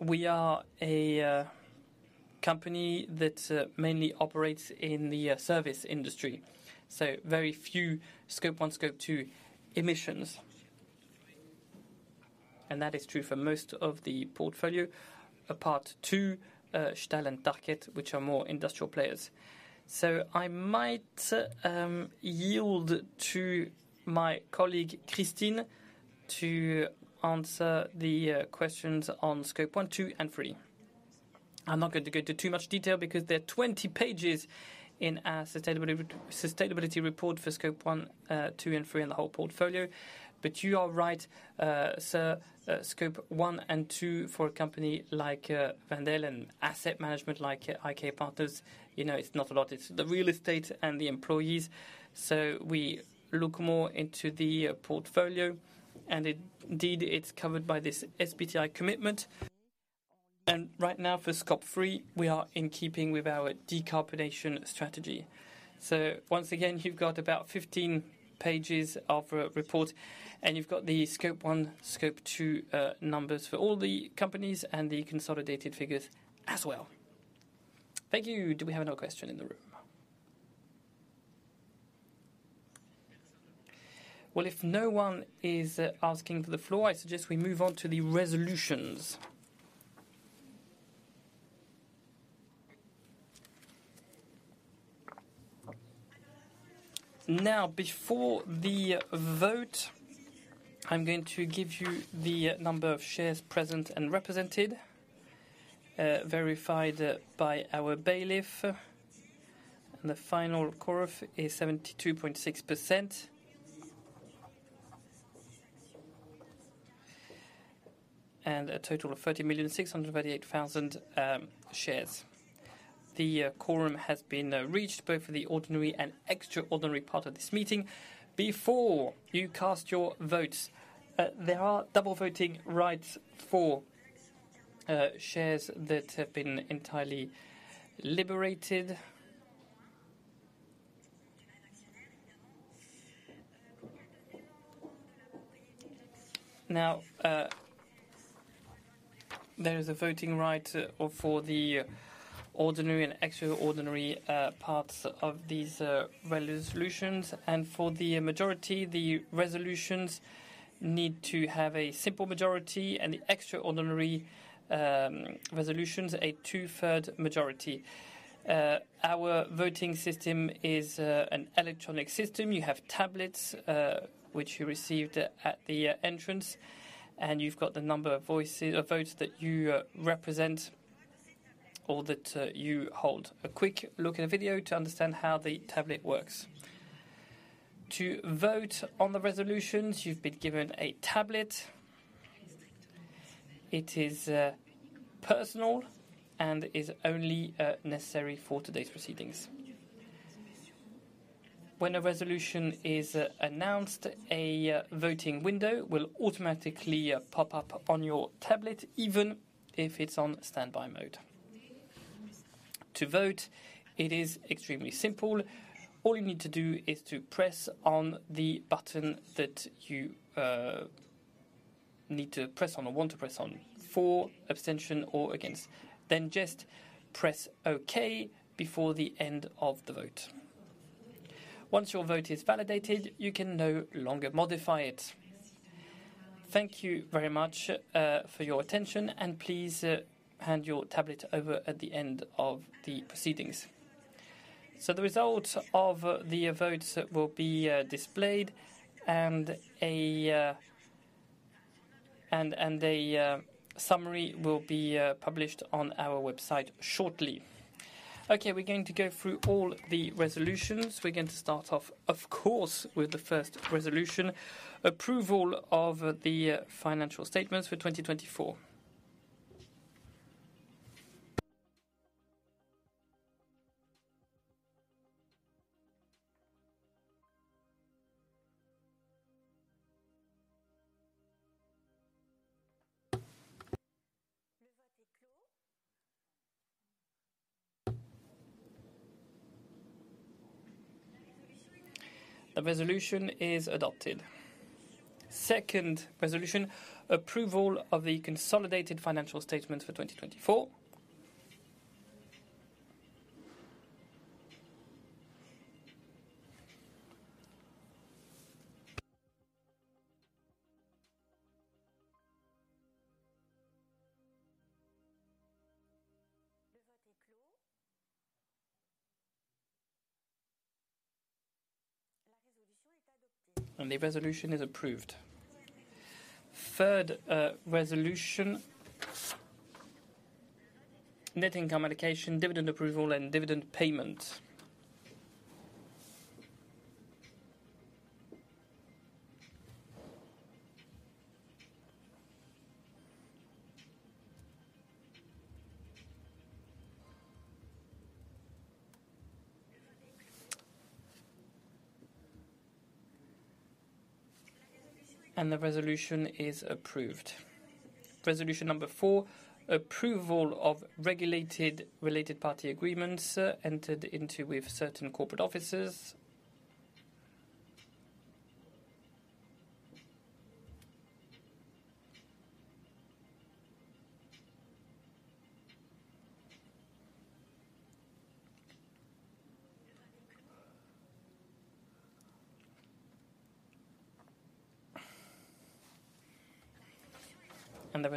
we are a company that mainly operates in the service industry. Very few scope one, scope two emissions, and that is true for most of the portfolio, apart from Stellant Target, which are more industrial players. I might yield to my colleague Christine to answer the questions on scope one, two, and three. I'm not going to go into too much detail because there are 20 pages in our sustainability report for scope one, two, and three in the whole portfolio, but you are right, sir. Scope one and two for a company like Vendel and asset management like IK Partners, it's not a lot. It's the real estate and the employees. We look more into the portfolio, and indeed, it's covered by this SBTI commitment. Right now, for scope three, we are in keeping with our decarbonization strategy. Once again, you've got about 15 pages of report, and you've got the scope one, scope two numbers for all the companies and the consolidated figures as well. Thank you. Do we have another question in the room? If no one is asking for the floor, I suggest we move on to the resolutions. Before the vote, I'm going to give you the number of shares present and represented verified by our bailiff, and the final quorum is 72.6% and a total of 30,638,000 shares. The quorum has been reached both for the ordinary and extraordinary part of this meeting. Before you cast your votes, there are double-voting rights for shares that have been entirely liberated. There is a voting right for the ordinary and extraordinary parts of these resolutions, and for the majority, the resolutions need to have a simple majority and the extraordinary resolutions, a two-thirds majority. Our voting system is an electronic system. You have tablets, which you received at the entrance, and you've got the number of votes that you represent or that you hold. A quick look at the video to understand how the tablet works. To vote on the resolutions, you've been given a tablet. It is personal and is only necessary for today's proceedings. When a resolution is announced, a voting window will automatically pop up on your tablet, even if it's on standby mode. To vote, it is extremely simple. All you need to do is press on the button that you need to press on or want to press on for abstention or against. Then just press okay before the end of the vote. Once your vote is validated, you can no longer modify it. Thank you very much for your attention, and please hand your tablet over at the end of the proceedings. The results of the votes will be displayed, and a summary will be published on our website shortly. We're going to go through all the resolutions. We're going to start off, of course, with the first resolution, approval of the financial statements for 2024. The resolution is adopted. Second resolution, approval of the consolidated financial statements for 2024. The resolution is approved. Third resolution, net income allocation, dividend approval, and dividend payment. The resolution is approved. Resolution number four, approval of regulated related party agreements entered into with certain corporate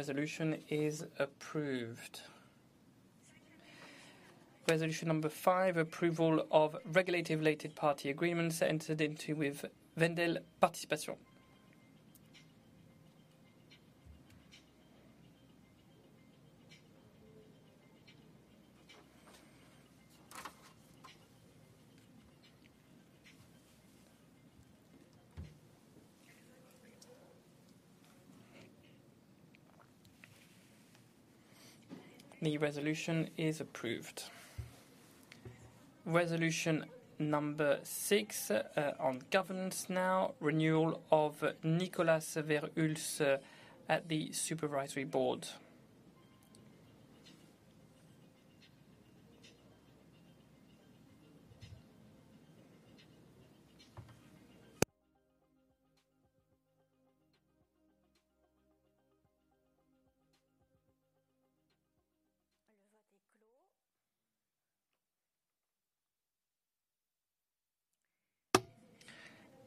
officers. The resolution is approved. Resolution number five, approval of regulated related party agreements entered into with Vendel Participation. The resolution is approved. Resolution number six on governance now, renewal of Nicolas Verhulst at the supervisory board.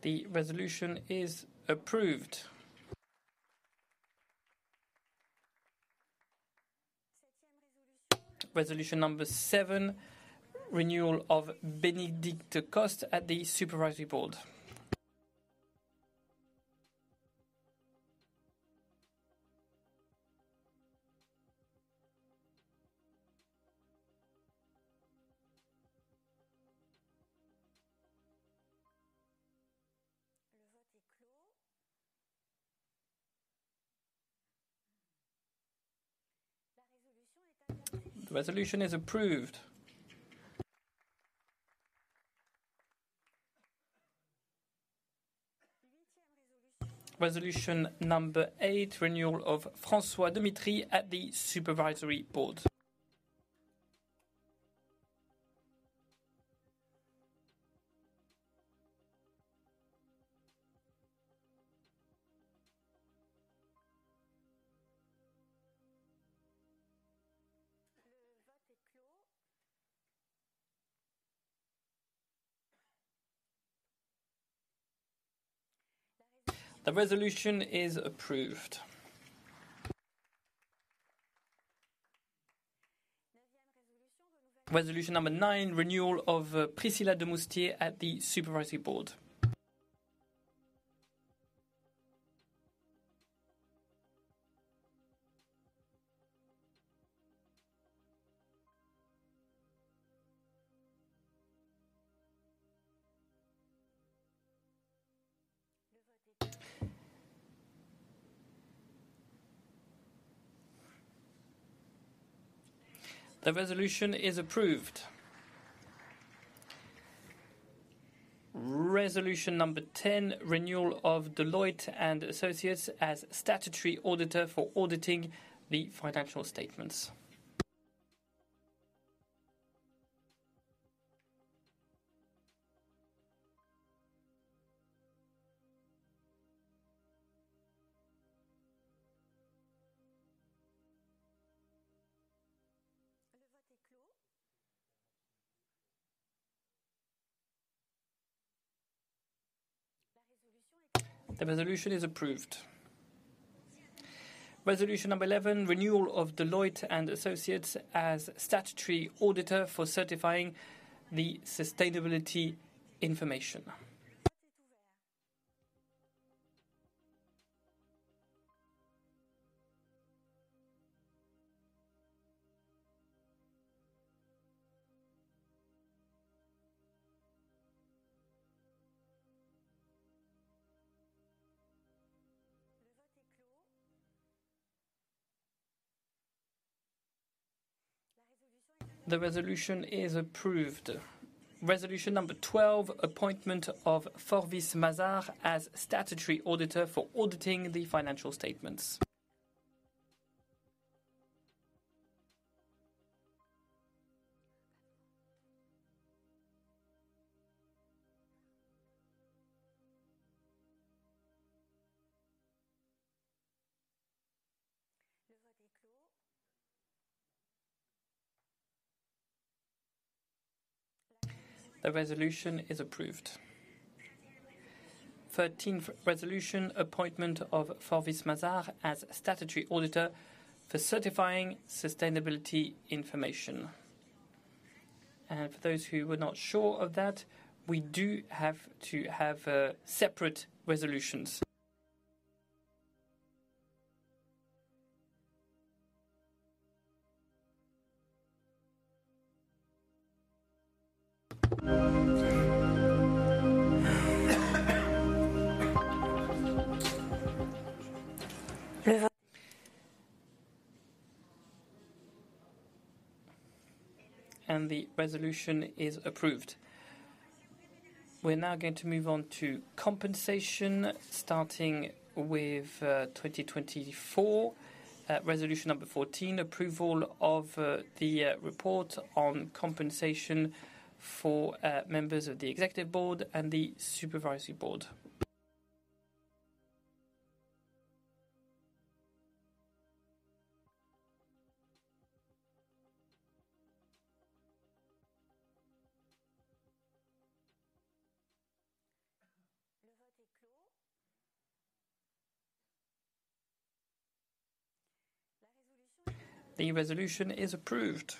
The resolution is approved. Resolution number seven, renewal of Bénédicte Coste at the supervisory board. The resolution is approved. Resolution number eight, renewal of François Demitri at the supervisory board. The resolution is approved. Resolution number nine, renewal of Priscilla de Moustier at the supervisory board. The resolution is approved. Resolution number ten, renewal of Deloitte & Associates as statutory auditor for auditing the financial statements. The resolution is approved. Resolution number eleven, renewal of Deloitte & Associates as statutory auditor for certifying the sustainability information. The resolution is approved. Resolution number twelve, appointment of Fauvice Mazard as statutory auditor for auditing the financial statements. The resolution is approved. Thirteenth resolution, appointment of Fauvice Mazard as statutory auditor for certifying sustainability information. For those who were not sure of that, we do have to have separate resolutions. The resolution is approved. We're now going to move on to compensation, starting with 2024. Resolution number 14, approval of the report on compensation for members of the executive board and the supervisory board. The resolution is approved.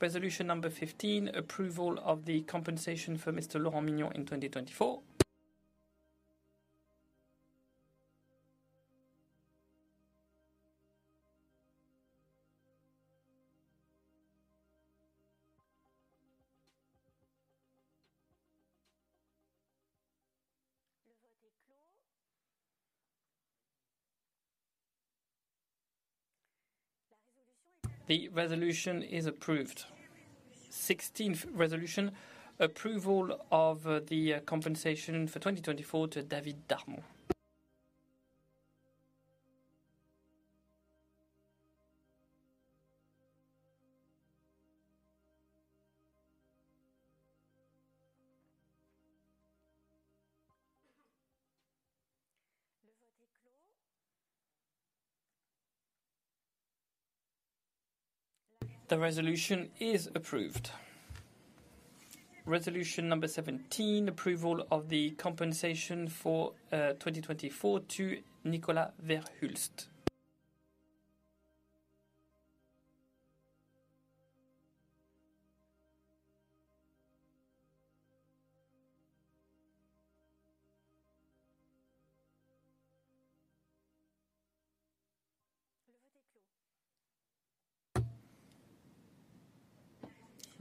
Resolution number 15, approval of the compensation for Mr. Laurent Mignon in 2024. The resolution is approved. Sixteenth resolution, approval of the compensation for 2024 to David Darmon. The resolution is approved. Resolution number 17, approval of the compensation for 2024 to Nicolas Verhulst.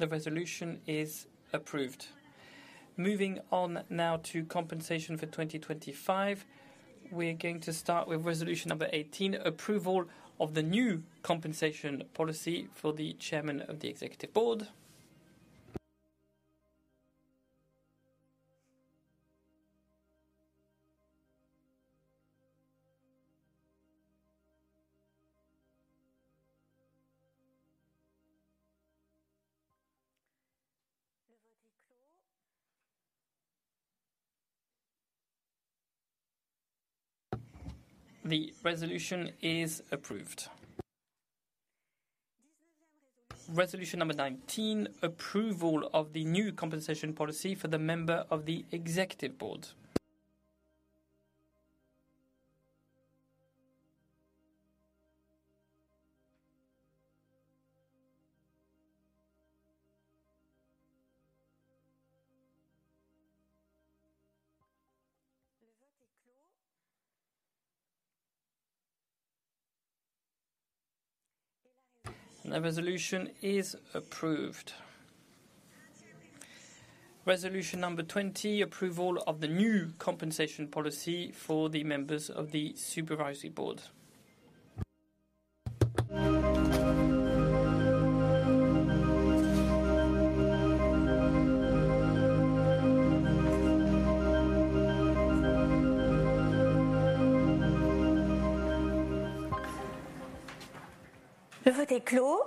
The resolution is approved. Moving on now to compensation for 2025, we're going to start with resolution number 18, approval of the new compensation policy for the Chairman of the Executive Board. The resolution is approved. Resolution number 19, approval of the new compensation policy for the member of the Executive Board. The resolution is approved. Resolution number 20, approval of the new compensation policy for the members of the Supervisory Board. The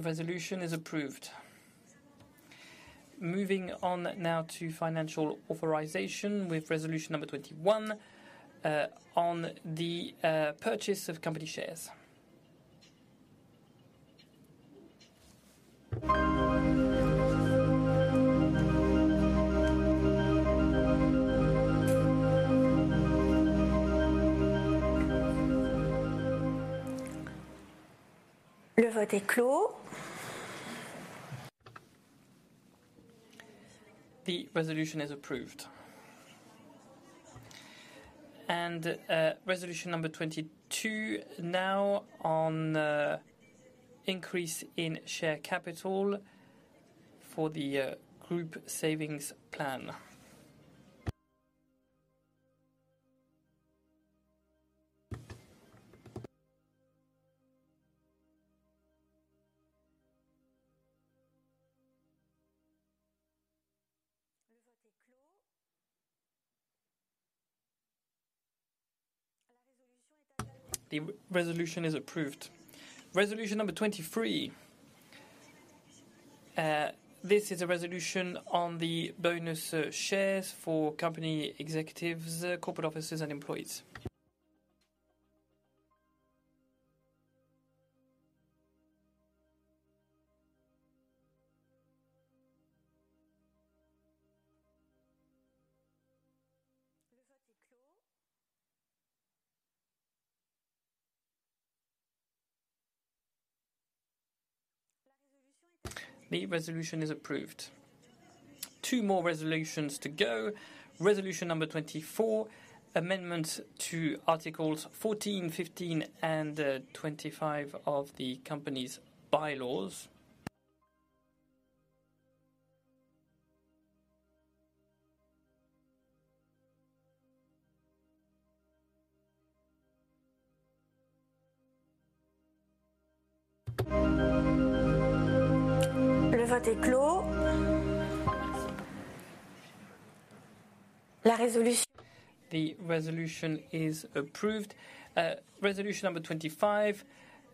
resolution is approved. Moving on now to financial authorization with resolution number 21 on the purchase of company shares. The resolution is approved. Resolution number 22 now on increase in share capital for the group savings plan. The resolution is approved. Resolution number 23. This is a resolution on the bonus shares for company executives, corporate officers, and employees. The resolution is approved. Two more resolutions to go. Resolution number 24, amendments to articles 14, 15, and 25 of the company's bylaws. The resolution is approved. Resolution number 25,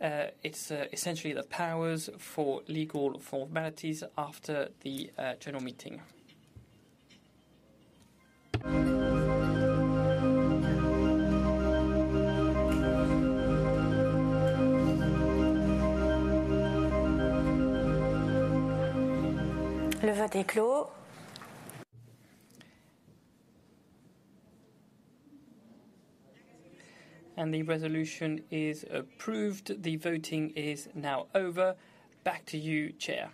it's essentially the powers for legal formalities after the general meeting. The resolution is approved. The voting is now over. Back to you, Chair.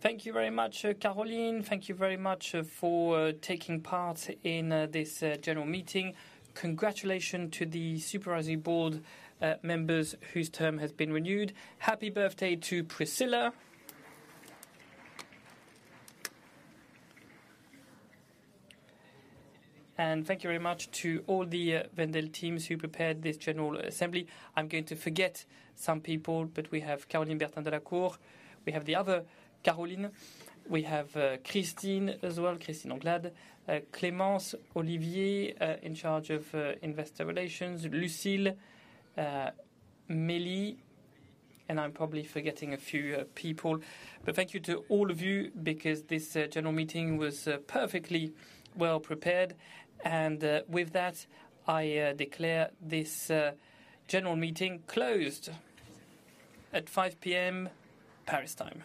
Thank you very much, Caroline. Thank you very much for taking part in this general meeting. Congratulations to the supervisory board members whose term has been renewed. Happy birthday to Priscilla. Thank you very much to all the Vendel teams who prepared this general assembly. I'm going to forget some people, but we have Caroline Bertrand de la Cour, we have the other Caroline, we have Christine as well, Christine Anglade, Clémence Olivier in charge of investor relations, Lucille, Mélie, and I'm probably forgetting a few people. But thank you to all of you because this general meeting was perfectly well prepared. And with that, I declare this general meeting closed at 5:00 p.m. Paris time.